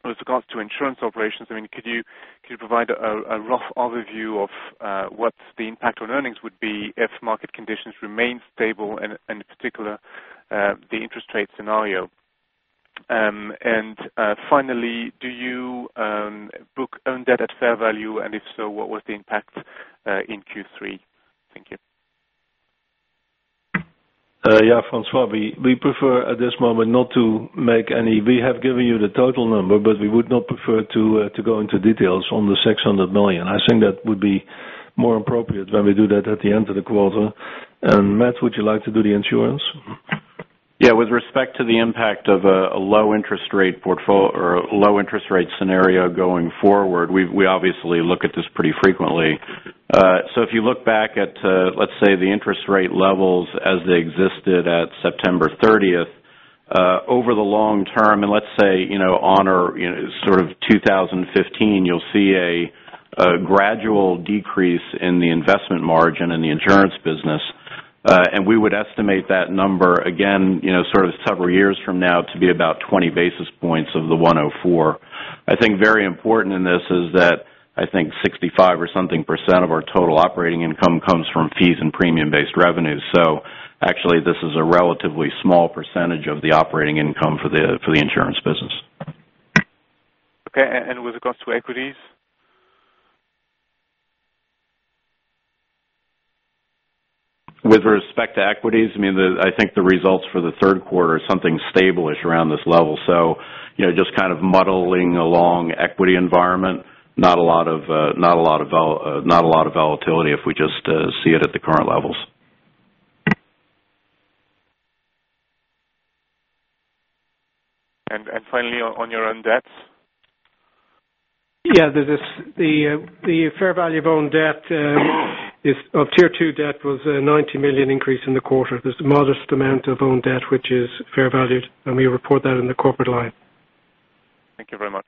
with regards to insurance operations. I mean, could you provide a rough overview of what the impact on earnings would be if market conditions remain stable and in particular the interest rate scenario? Finally, do you book own debt at fair value, and if so, what was the impact in Q3? Thank you. Yeah, Francois, we prefer at this moment not to make any. We have given you the total number, but we would not prefer to go into details on the 600 million. I think that would be more appropriate when we do that at the end of the quarter. Matt, would you like to do the insurance? Yeah. With respect to the impact of a low interest rate portfolio or a low interest rate scenario going forward, we obviously look at this pretty frequently. If you look back at, let's say, the interest rate levels as they existed at September 30, over the long term, and let's say, you know, on or sort of 2015, you'll see a gradual decrease in the investment margin in the insurance business. We would estimate that number again, you know, sort of several years from now to be about 20 basis points of the 104. I think very important in this is that I think 65% or something of our total operating income comes from fees and premium-based revenues. Actually, this is a relatively small percentage of the operating income for the insurance business. Okay, with regards to equities? With respect to equities, I mean, I think the results for the third quarter are something stable around this level. Just kind of muddling along equity environment, not a lot of volatility if we just see it at the current levels. Finally, on your own debts? Yeah. The fair value of owned debt is of Tier 2 debt was a 90 million increase in the quarter. There's a modest amount of owned debt which is fair valued, and we report that in the corporate line. Thank you very much.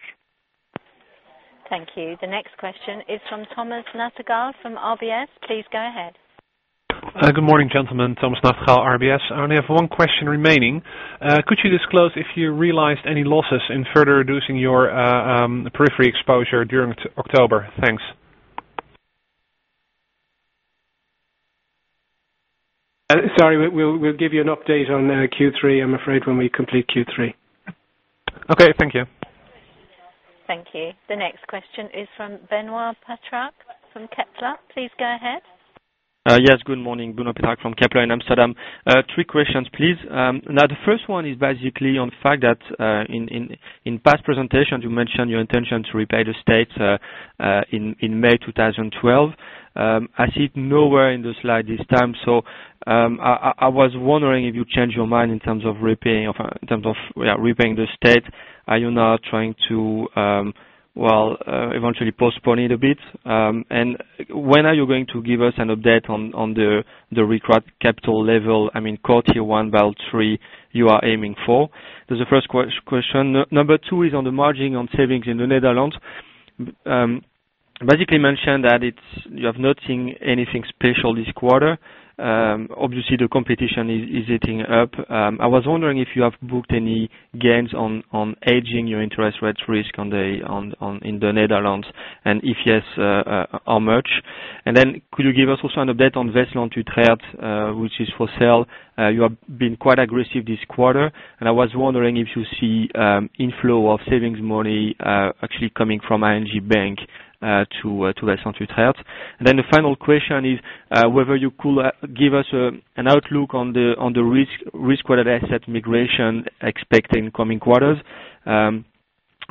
Thank you. The next question is from Thomas Nathagal from RBC Capital Markets. Please go ahead. Good morning, gentlemen. Thomas Nathagal, RBS. I only have one question remaining. Could you disclose if you realized any losses in further reducing your periphery exposure during October? Thanks. Sorry, we'll give you an update on Q3, I'm afraid, when we complete Q3. Okay, thank you. Thank you. The next question is from Benoit Petrarque from Kepler Cheuvreux. Please go ahead. Yes. Good morning. Benoit Petrarque from Kepler in Amsterdam. Three questions, please. The first one is basically on the fact that in past presentations, you mentioned your intention to repay the state in May 2012. I see it nowhere in the slide this time. I was wondering if you changed your mind in terms of repaying the state. Are you now trying to eventually postpone it a bit? When are you going to give us an update on the recurrent capital level, I mean, quarter one by three you are aiming for? That's the first question. Number two is on the margin on savings in the Netherlands. Basically, you mentioned that you have not seen anything special this quarter. Obviously, the competition is eating up. I was wondering if you have booked any gains on hedging your interest rate risk in the Netherlands, and if yes, how much? Could you give us also an update on WestlandUtrecht, which is for sale? You have been quite aggressive this quarter, and I was wondering if you see inflow of savings money actually coming from ING Bank to WestlandUtrecht. The final question is whether you could give us an outlook on the risk-related asset migration expected in the coming quarters.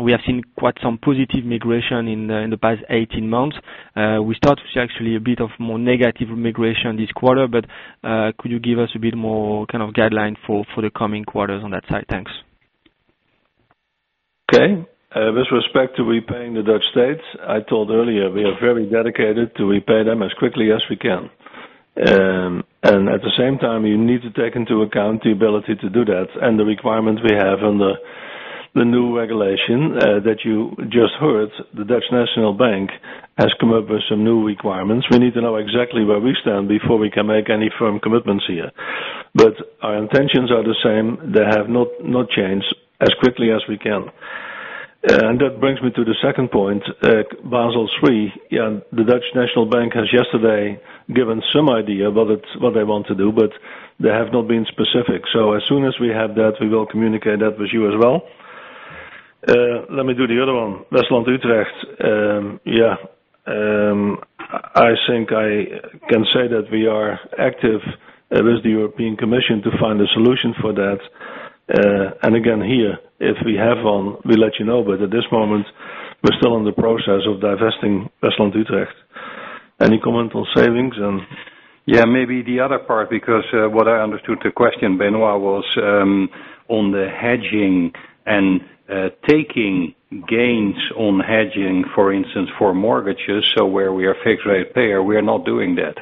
We have seen quite some positive migration in the past 18 months. We started to see actually a bit of more negative migration this quarter, but could you give us a bit more kind of guideline for the coming quarters on that side? Thanks. Okay. With respect to repaying the Dutch state, I told earlier we are very dedicated to repay them as quickly as we can. At the same time, you need to take into account the ability to do that and the requirement we have on the new regulation that you just heard. The Dutch Central Bank has come up with some new requirements. We need to know exactly where we stand before we can make any firm commitments here. Our intentions are the same. They have not changed, as quickly as we can. That brings me to the second point, Basel 3. The Dutch Central Bank has yesterday given some idea of what they want to do, but they have not been specific. As soon as we have that, we will communicate that with you as well. Let me do the other one, Westland Utrecht. I think I can say that we are active with the European Commission to find a solution for that. If we have one, we'll let you know, but at this moment, we're still in the process of divesting Westland Utrecht. Any comment on savings? Yeah, maybe the other part because what I understood the question, Benoit, was on the hedging and taking gains on hedging, for instance, for mortgages, so where we are fixed rate payer, we are not doing that.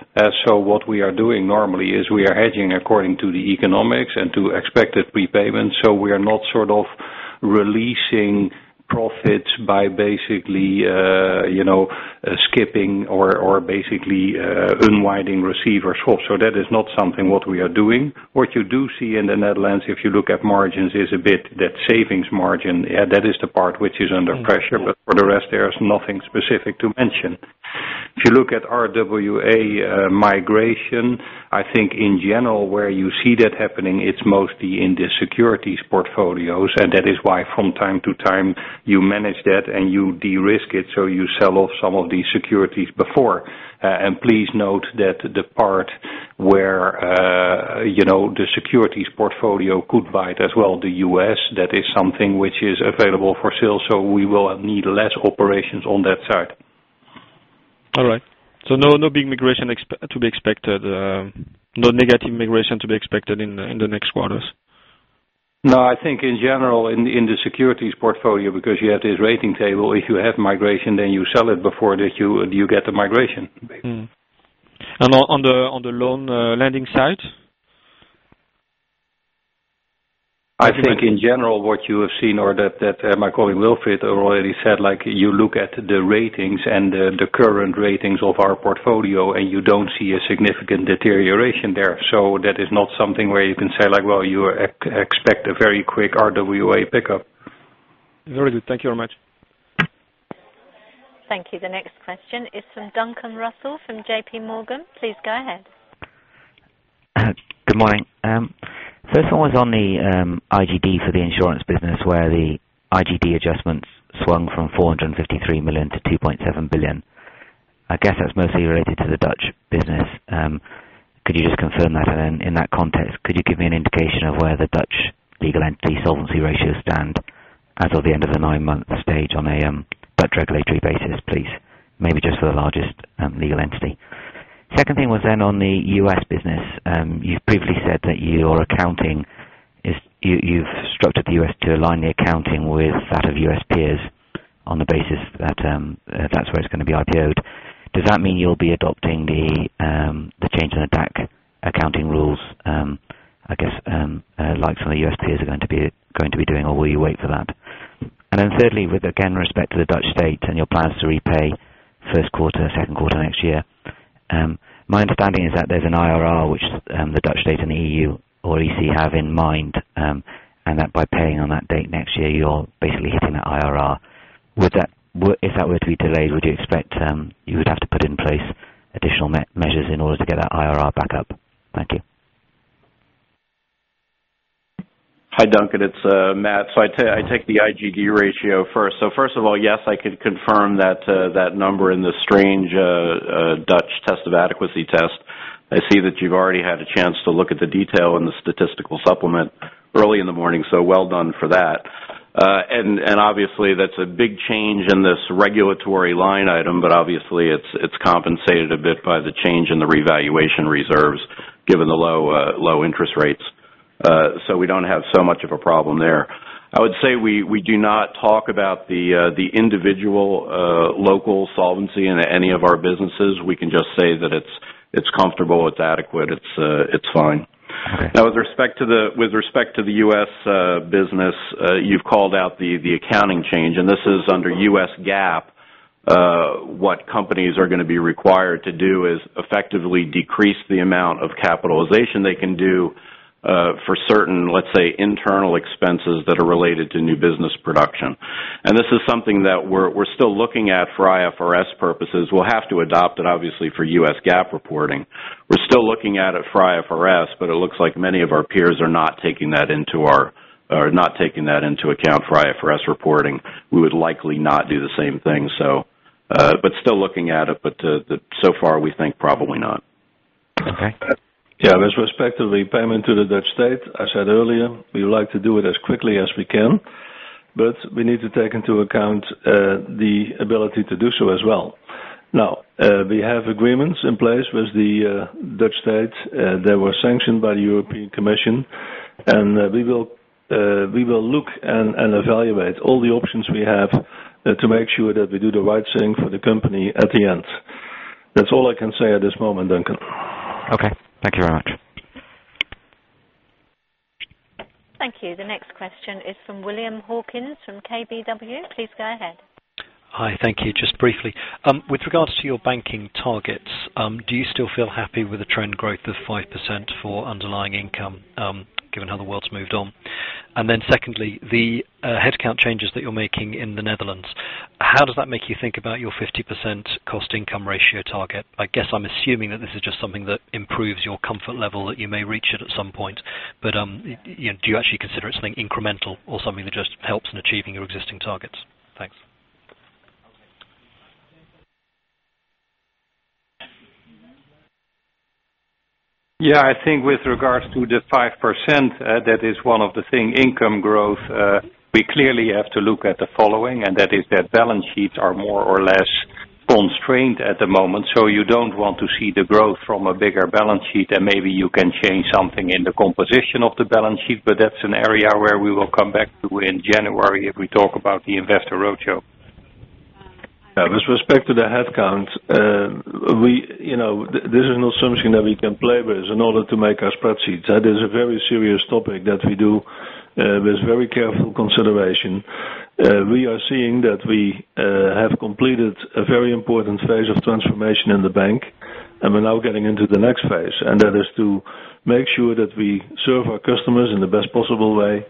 What we are doing normally is we are hedging according to the economics and to expected prepayments, so we are not sort of releasing profits by basically skipping or basically unwinding receivers. That is not something we are doing. What you do see in the Netherlands, if you look at margins, is a bit that savings margin. Yeah, that is the part which is under pressure, but for the rest, there is nothing specific to mention. If you look at RWA migration, I think in general, where you see that happening, it's mostly in the securities portfolios, and that is why from time to time, you manage that and you de-risk it, so you sell off some of these securities before. Please note that the part where the securities portfolio could bite as well, the U.S., that is something which is available for sale, so we will need less operations on that side. All right. No big migration to be expected, no negative migration to be expected in the next quarters? No, I think in general, in the securities portfolio, because you have this rating table, if you have migration, then you sell it before you get the migration. On the loan lending side? I think in general, what you have seen or that my colleague Wilfred already said, you look at the ratings and the current ratings of our portfolio, and you don't see a significant deterioration there. That is not something where you can say, like, you expect a very quick RWA pickup. Very good. Thank you very much. Thank you. The next question is from Duncan Russell from JPMorgan Chase & Co. Please go ahead. Good morning. This one was on the IGD for the insurance business where the IGD adjustments swung from 453 million to 2.7 billion. I guess that's mostly related to the Dutch business. Could you just confirm that in that context? Could you give me an indication of where the Dutch legal entity solvency ratios stand as of the end of the nine-month stage on a Dutch regulatory basis, please? Maybe just for the largest legal entity. The second thing was on the U.S. business. You've previously said that your accounting is you've structured the U.S. to align the accounting with that of U.S. peers on the basis that that's where it's going to be IPO'd. Does that mean you'll be adopting the change in the DAC accounting rules, I guess, like some of the U.S. peers are going to be doing, or will you wait for that? Thirdly, with respect to the Dutch state and your plans to repay first quarter, second quarter next year, my understanding is that there's an IRR which the Dutch state and the EU or EC have in mind, and that by paying on that date next year, you're basically hitting that IRR. If that were to be delayed, would you expect you would have to put in place additional measures in order to get that IRR back up? Thank you. Hi, Duncan. It's Matt. I'll take the IGD ratio first. First of all, yes, I can confirm that number in the strange Dutch test of adequacy test. I see that you've already had a chance to look at the detail in the statistical supplement early in the morning, so well done for that. Obviously, that's a big change in this regulatory line item, but it's compensated a bit by the change in the revaluation reserves given the low interest rates, so we don't have so much of a problem there. I would say we do not talk about the individual local solvency in any of our businesses. We can just say that it's comfortable, it's adequate, it's fine. With respect to the U.S. business, you've called out the accounting change, and this is under U.S. GAAP. What companies are going to be required to do is effectively decrease the amount of capitalization they can do for certain, let's say, internal expenses that are related to new business production. This is something that we're still looking at for IFRS purposes. We'll have to adopt it, obviously, for U.S. GAAP reporting. We're still looking at it for IFRS, but it looks like many of our peers are not taking that into account for IFRS reporting. We would likely not do the same thing, but still looking at it, but so far, we think probably not. Okay. Yeah. With respect to the payment to the Dutch state, I said earlier, we would like to do it as quickly as we can, but we need to take into account the ability to do so as well. Now, we have agreements in place with the Dutch state that were sanctioned by the European Commission, and we will look and evaluate all the options we have to make sure that we do the right thing for the company at the end. That's all I can say at this moment, Duncan. Okay, thank you very much. Thank you. The next question is from William Hawkins from Keefe, Bruyette & Woods. Please go ahead. Hi. Thank you. Just briefly, with regards to your banking targets, do you still feel happy with the trend growth of 5% for underlying income given how the world's moved on? Secondly, the headcount changes that you're making in the Netherlands, how does that make you think about your 50% cost income ratio target? I guess I'm assuming that this is just something that improves your comfort level that you may reach it at some point, but do you actually consider it something incremental or something that just helps in achieving your existing targets? Thanks. Yeah. I think with regards to the 5%, that is one of the things, income growth, we clearly have to look at the following, and that is that balance sheets are more or less constrained at the moment, so you don't want to see the growth from a bigger balance sheet, and maybe you can change something in the composition of the balance sheet, but that's an area where we will come back to in January if we talk about the investor roadshow. With respect to the headcount, this is not something that we can play with in order to make our spreadsheets. That is a very serious topic that we do with very careful consideration. We are seeing that we have completed a very important phase of transformation in the bank, and we're now getting into the next phase, and that is to make sure that we serve our customers in the best possible way,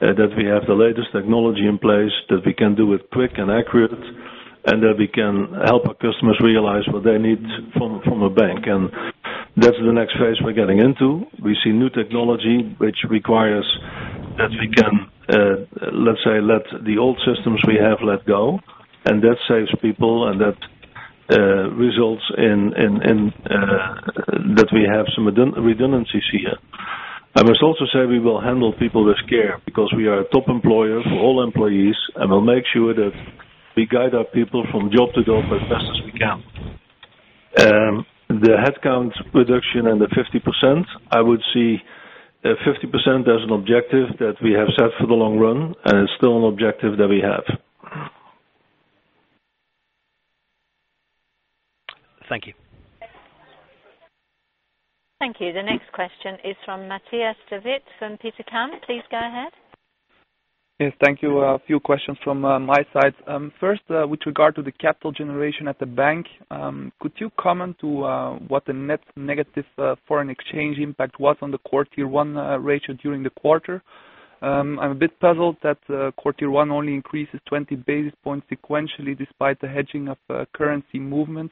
that we have the latest technology in place, that we can do it quick and accurate, and that we can help our customers realize what they need from a bank. That's the next phase we're getting into. We see new technology which requires that we can, let's say, let the old systems we have let go, and that saves people, and that results in that we have some redundancies here. I must also say we will handle people with care because we are a top employer for all employees, and we'll make sure that we guide our people from job to job as best as we can. The headcount reduction and the 50%—I would see 50% as an objective that we have set for the long run, and it's still an objective that we have. Thank you. Thank you. The next question is from Matthias De Witt from Petercam. Please go ahead. Yes. Thank you. A few questions from my side. First, with regard to the capital generation at the bank, could you comment on what the net negative foreign exchange impact was on the core Tier 1 ratio during the quarter? I'm a bit puzzled that core Tier 1 only increases 20 basis points sequentially despite the hedging of currency movement,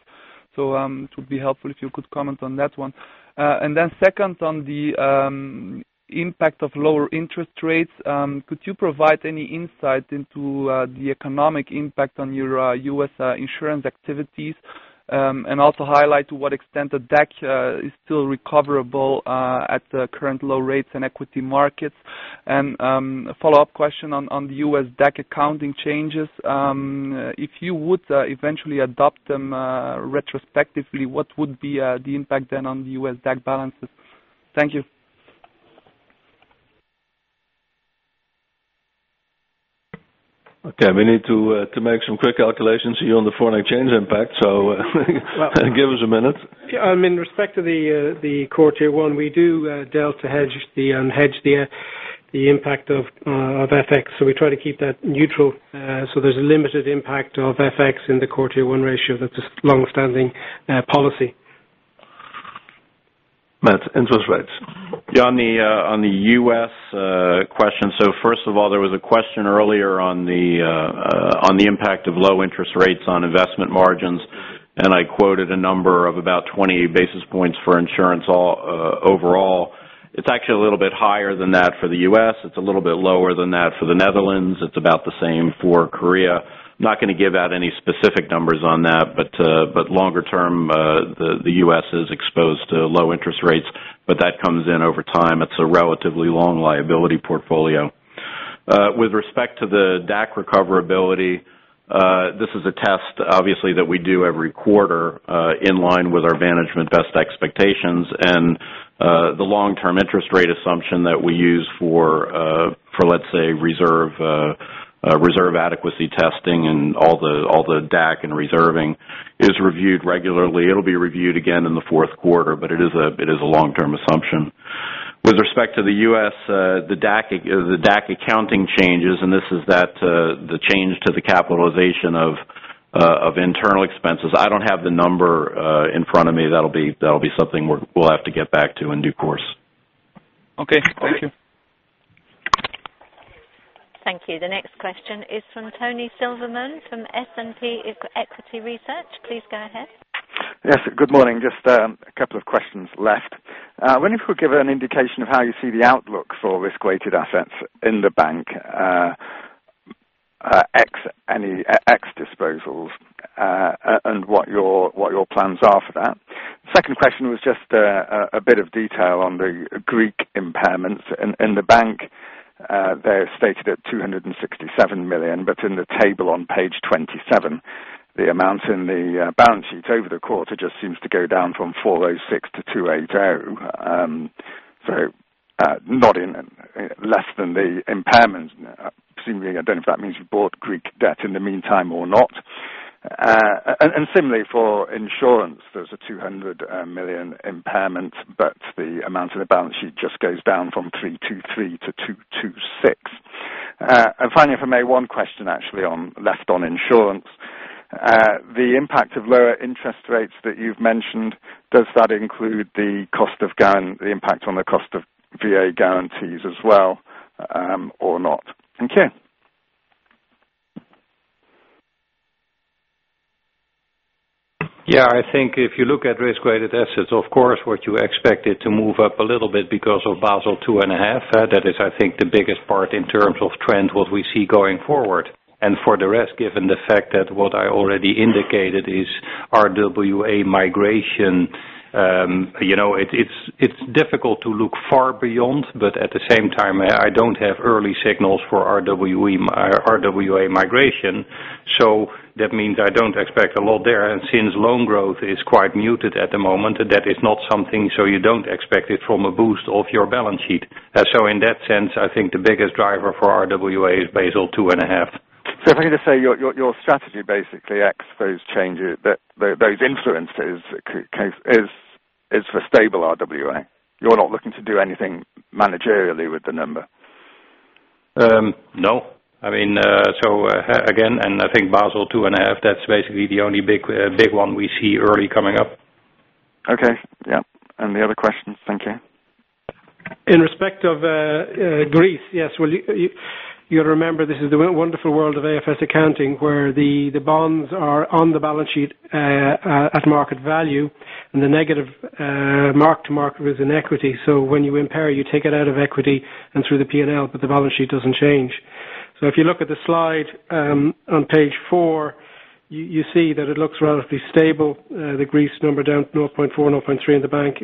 so it would be helpful if you could comment on that one. Then, on the impact of lower interest rates, could you provide any insight into the economic impact on your U.S. insurance activities and also highlight to what extent the DAC is still recoverable at the current low rates in equity markets? Follow-up question on the U.S. DAC accounting changes. If you would eventually adopt them retrospectively, what would be the impact then on the U.S. DAC balances? Thank you. Okay, we need to make some quick calculations here on the foreign exchange impact, so give us a minute. Yeah. I mean, with respect to the quarter one, we do delve to hedge the impact of FX, so we try to keep that neutral. There's a limited impact of FX in the quarter one ratio. That's a longstanding policy. Matt, interest rates. Yeah, on the U.S. question, first of all, there was a question earlier on the impact of low interest rates on investment margins. I Quoted a number of about 20 basis points for insurance overall. It's actually a little bit higher than that for the U.S. It's a little bit lower than that for the Netherlands. It's about the same for Korea. I'm not going to give out any specific numbers on that, but longer term, the U.S. is exposed to low interest rates, but that comes in over time. It's a relatively long liability portfolio. With respect to the DAC recoverability, this is a test, obviously, that we do every quarter in line with our management best expectations. The long-term interest rate assumption that we use for, let's say, reserve adequacy testing and all the DAC and reserving is reviewed regularly. It'll be reviewed again in the fourth quarter, but it is a long-term assumption. With respect to the U.S., the DAC accounting changes, and this is that the change to the capitalization of internal expenses. I don't have the number in front of me. That'll be something we'll have to get back to in due course. Okay, thank you. Thank you. The next question is from Tony Silverman from S&P Equity Research. Please go ahead. Yes, good morning. Just a couple of questions left. I wonder if you could give an indication of how you see the outlook for risk-weighted assets in the bank, any ex-disposals, and what your plans are for that. The second question was just a bit of detail on the Greek impairments. In the bank, they're stated at 267 million, but in the table on page 27, the amount in the balance sheet over the quarter just seems to go down from 406 million to 280 million. Not in less than the impairment. I don't know if that means you bought Greek debt in the meantime or not. Similarly, for insurance, there's a 200 million impairment, but the amount in the balance sheet just goes down from 323 million to 226 million. Finally, if I may, one question actually left on insurance. The impact of lower interest rates that you've mentioned, does that include the impact on the cost of VA guarantees as well, or not? Thank you. Yeah, I think if you look at risk-weighted assets, of course, what you expect is to move up a little bit because of Basel 2.5. That is, I think, the biggest part in terms of trend what we see going forward. For the rest, given the fact that what I already indicated is RWA migration, you know, it's difficult to look far beyond, but at the same time, I don't have early signals for RWA migration. That means I don't expect a lot there. Since loan growth is quite muted at the moment, that is not something, you don't expect it from a boost of your balance sheet. In that sense, I think the biggest driver for RWA is Basel 2.5. If I can just say your strategy basically exposed changes, those influences, is for stable RWA. You're not looking to do anything managerially with the number. No, I mean, again, I think Basel 2.5, that's basically the only big one we see early coming up. Okay, yeah. Thank you for the other questions. In respect of Greece, yes, you'll remember this is the wonderful world of AFS accounting where the bonds are on the balance sheet at market value and the negative mark-to-market was in equity. When you impair, you take it out of equity and through the P&L, but the balance sheet doesn't change. If you look at the slide on page four, you see that it looks relatively stable. The Greece number down 0.4, 0.3 in the bank,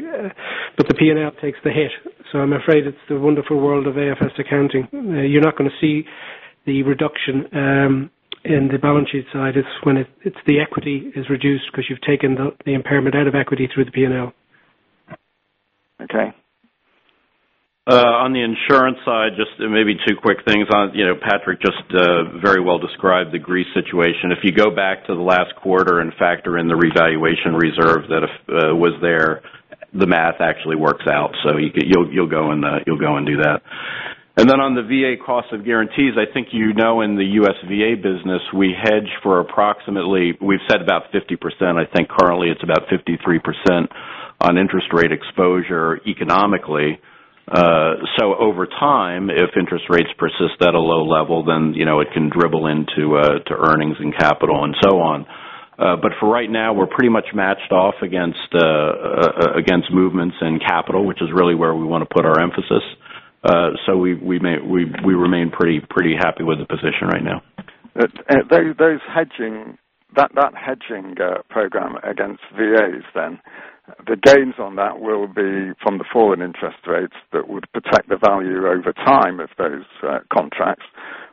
but the P&L takes the hit. I'm afraid it's the wonderful world of AFS accounting. You're not going to see the reduction in the balance sheet side as when the equity is reduced because you've taken the impairment out of equity through the P&L. Okay. On the insurance side, just maybe two quick things. Patrick just very well described the Greece situation. If you go back to the last quarter and factor in the revaluation reserve that was there, the math actually works out. You'll go and do that. On the VA cost of guarantees, in the U.S. VA business, we hedge for approximately, we've said about 50%. I think currently it's about 53% on interest rate exposure economically. Over time, if interest rates persist at a low level, it can dribble into earnings and capital and so on. For right now, we're pretty much matched off against movements in capital, which is really where we want to put our emphasis. We remain pretty happy with the position right now. That is hedging that program against VAs then. The gains on that will be from the fall in interest rates that would protect the value over time of those contracts,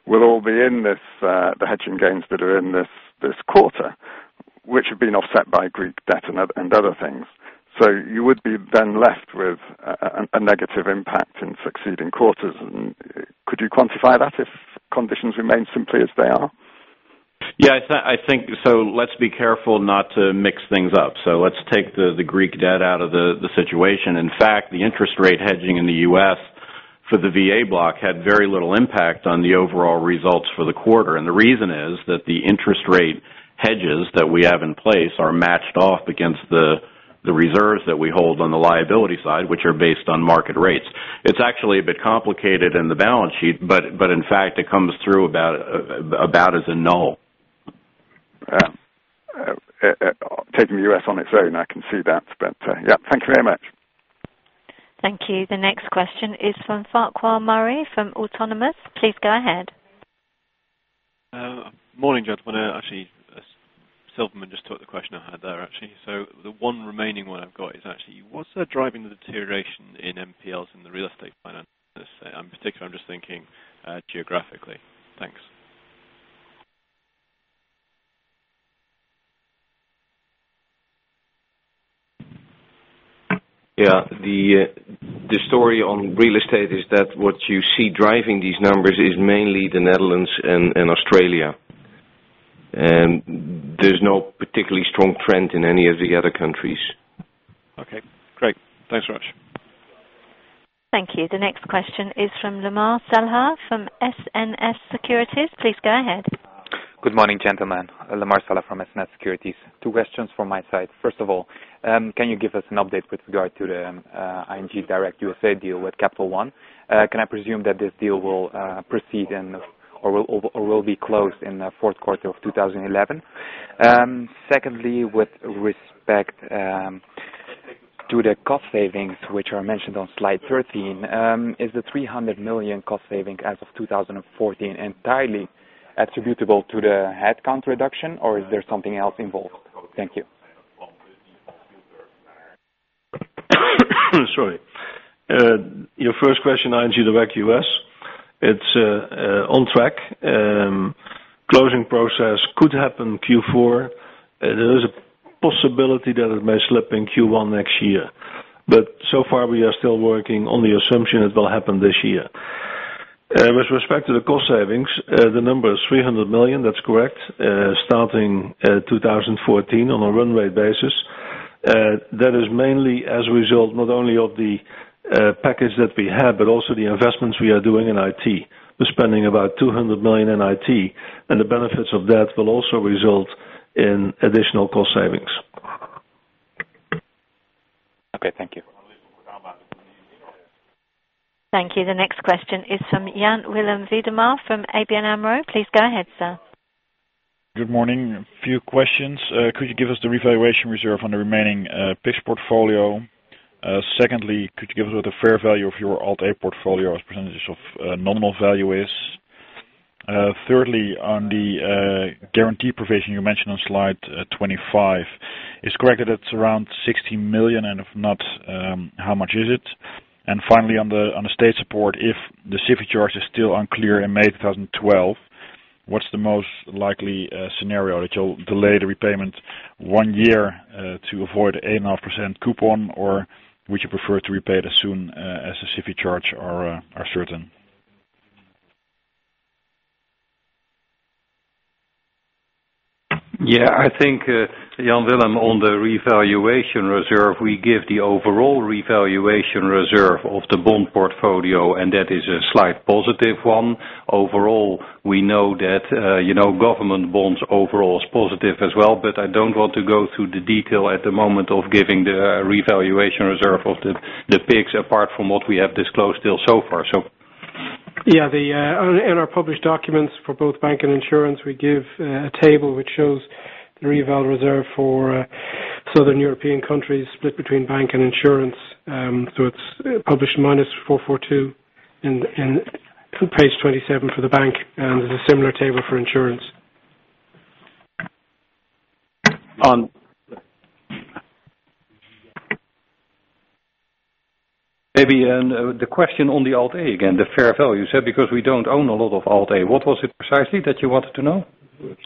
will all be in this, the hedging gains that are in this quarter, which have been offset by Greek debt and other things. You would be then left with a negative impact in succeeding quarters. Could you quantify that if conditions remain simply as they are? Yeah, I think so. Let's be careful not to mix things up. Let's take the Greek debt out of the situation. In fact, the interest rate hedging in the U.S. for the VA block had very little impact on the overall results for the quarter. The reason is that the interest rate hedges that we have in place are matched off against the reserves that we hold on the liability side, which are based on market rates. It's actually a bit complicated in the balance sheet, but it comes through about as a null. Taking the U.S. on its own, I can see that, but yeah, thank you very much. Thank you. The next question is from Farquhar Murray from Bernstein Autonomous LLP. Please go ahead. Morning, gentlemen. Silverman just took the question I had there, actually. The one remaining one I've got is, what's driving the deterioration in NPLs in the real estate finance sector? In particular, I'm just thinking geographically. Thanks. Yeah, the story on real estate is that what you see driving these numbers is mainly the Netherlands and Australia. There's no particularly strong trend in any of the other countries. Okay, great. Thanks so much. Thank you. The next question is from Lamar Salah from SNS Securities. Please go ahead. Good morning, gentlemen. Lamar Salah from SNS Securities. Two questions from my side. First of all, can you give us an update with regard to the ING Direct USA deal with Capital One? Can I presume that this deal will proceed or will be closed in the fourth quarter of 2011? Secondly, with respect to the cost savings, which are mentioned on slide 13, is the 300 million cost saving as of 2014 entirely attributable to the headcount reduction, or is there something else involved? Thank you. Sorry. Your first question, ING Direct USA. It's on track. Closing process could happen Q4. There is a possibility that it may slip in Q1 next year. However, so far, we are still working on the assumption it will happen this year. With respect to the cost savings, the number is 300 million. That's correct, starting in 2014 on a run rate basis. That is mainly as a result not only of the package that we have, but also the investments we are doing in IT. We're spending about 200 million in IT, and the benefits of that will also result in additional cost savings. Okay, thank you. Thank you. The next question is from Jan-Willem Vink from ABN AMRO. Please go ahead, sir. Good morning. A few questions. Could you give us the revaluation reserve on the remaining PIX portfolio? Secondly, could you give us what the fair value of your Alt-A portfolio as percentages of nominal value is? Thirdly, on the guarantee provision you mentioned on slide 25, is it correct that it's around 60 million, and if not, how much is it? Finally, on the state support, if the CFIE charge is still unclear in May 2012, what's the most likely scenario that you'll delay the repayment one year to avoid an 8.5% coupon, or would you prefer to repay as soon as the CFIE charge are certain? Yeah, I think Jan-Willem, on the revaluation reserve, we give the overall revaluation reserve of the bond portfolio, and that is a slight positive one. Overall, we know that, you know, government bonds overall are positive as well, but I don't want to go through the detail at the moment of giving the revaluation reserve of the PIIGS apart from what we have disclosed still so far Yeah, in our published documents for both bank and insurance, we give a table which shows the reval reserve for Southern European countries split between bank and insurance. It's published minus 442 million on page 27 for the bank, and there's a similar table for insurance. Maybe the question on the Alt-A again, the fair value, you said, because we don't own a lot of Alt-A. What was it precisely that you wanted to know?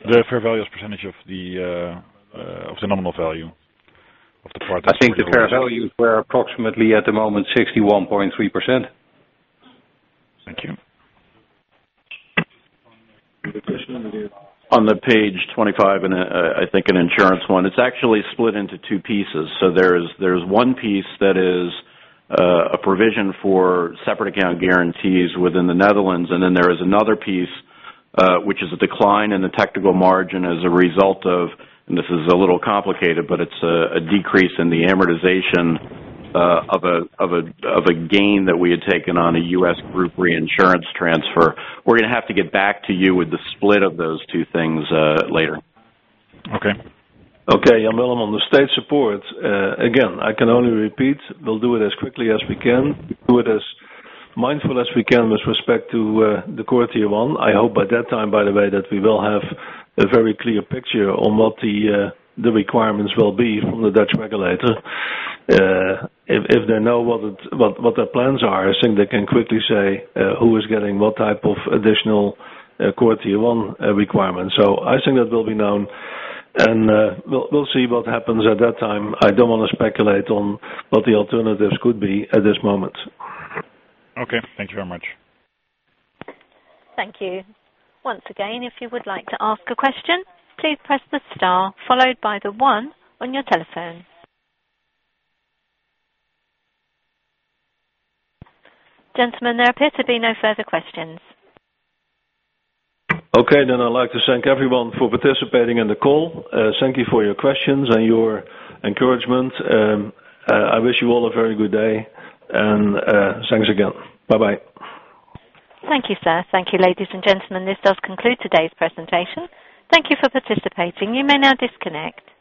The fair value is a percent of the nominal value of the product. I think the fair values were approximately at the moment 61.3%. Thank you. On page 25, and I think an insurance one, it's actually split into two pieces. There's one piece that is a provision for separate account guarantees within the Netherlands, and then there is another piece, which is a decline in the technical margin as a result of, and this is a little complicated, but it's a decrease in the amortization of a gain that we had taken on a U.S. group reinsurance transfer. We're going to have to get back to you with the split of those two things later. Okay. Okay, Jan-Willem, on the state support, again, I can only repeat, we'll do it as quickly as we can, do it as mindful as we can with respect to the quarter one. I hope by that time, by the way, that we will have a very clear picture on what the requirements will be from the Dutch regulator. If they know what their plans are, I think they can quickly say who is getting what type of additional quarter one requirements. I think that will be known. We'll see what happens at that time. I don't want to speculate on what the alternatives could be at this moment. Okay, thank you very much. Thank you. Once again, if you would like to ask a question, please press the star followed by the one on your telephone. Gentlemen, there appear to be no further questions. Okay, I'd like to thank everyone for participating in the call. Thank you for your questions and your encouragement. I wish you all a very good day. Thanks again. Bye-bye. Thank you, sir. Thank you, ladies and gentlemen. This does conclude today's presentation. Thank you for participating. You may now disconnect.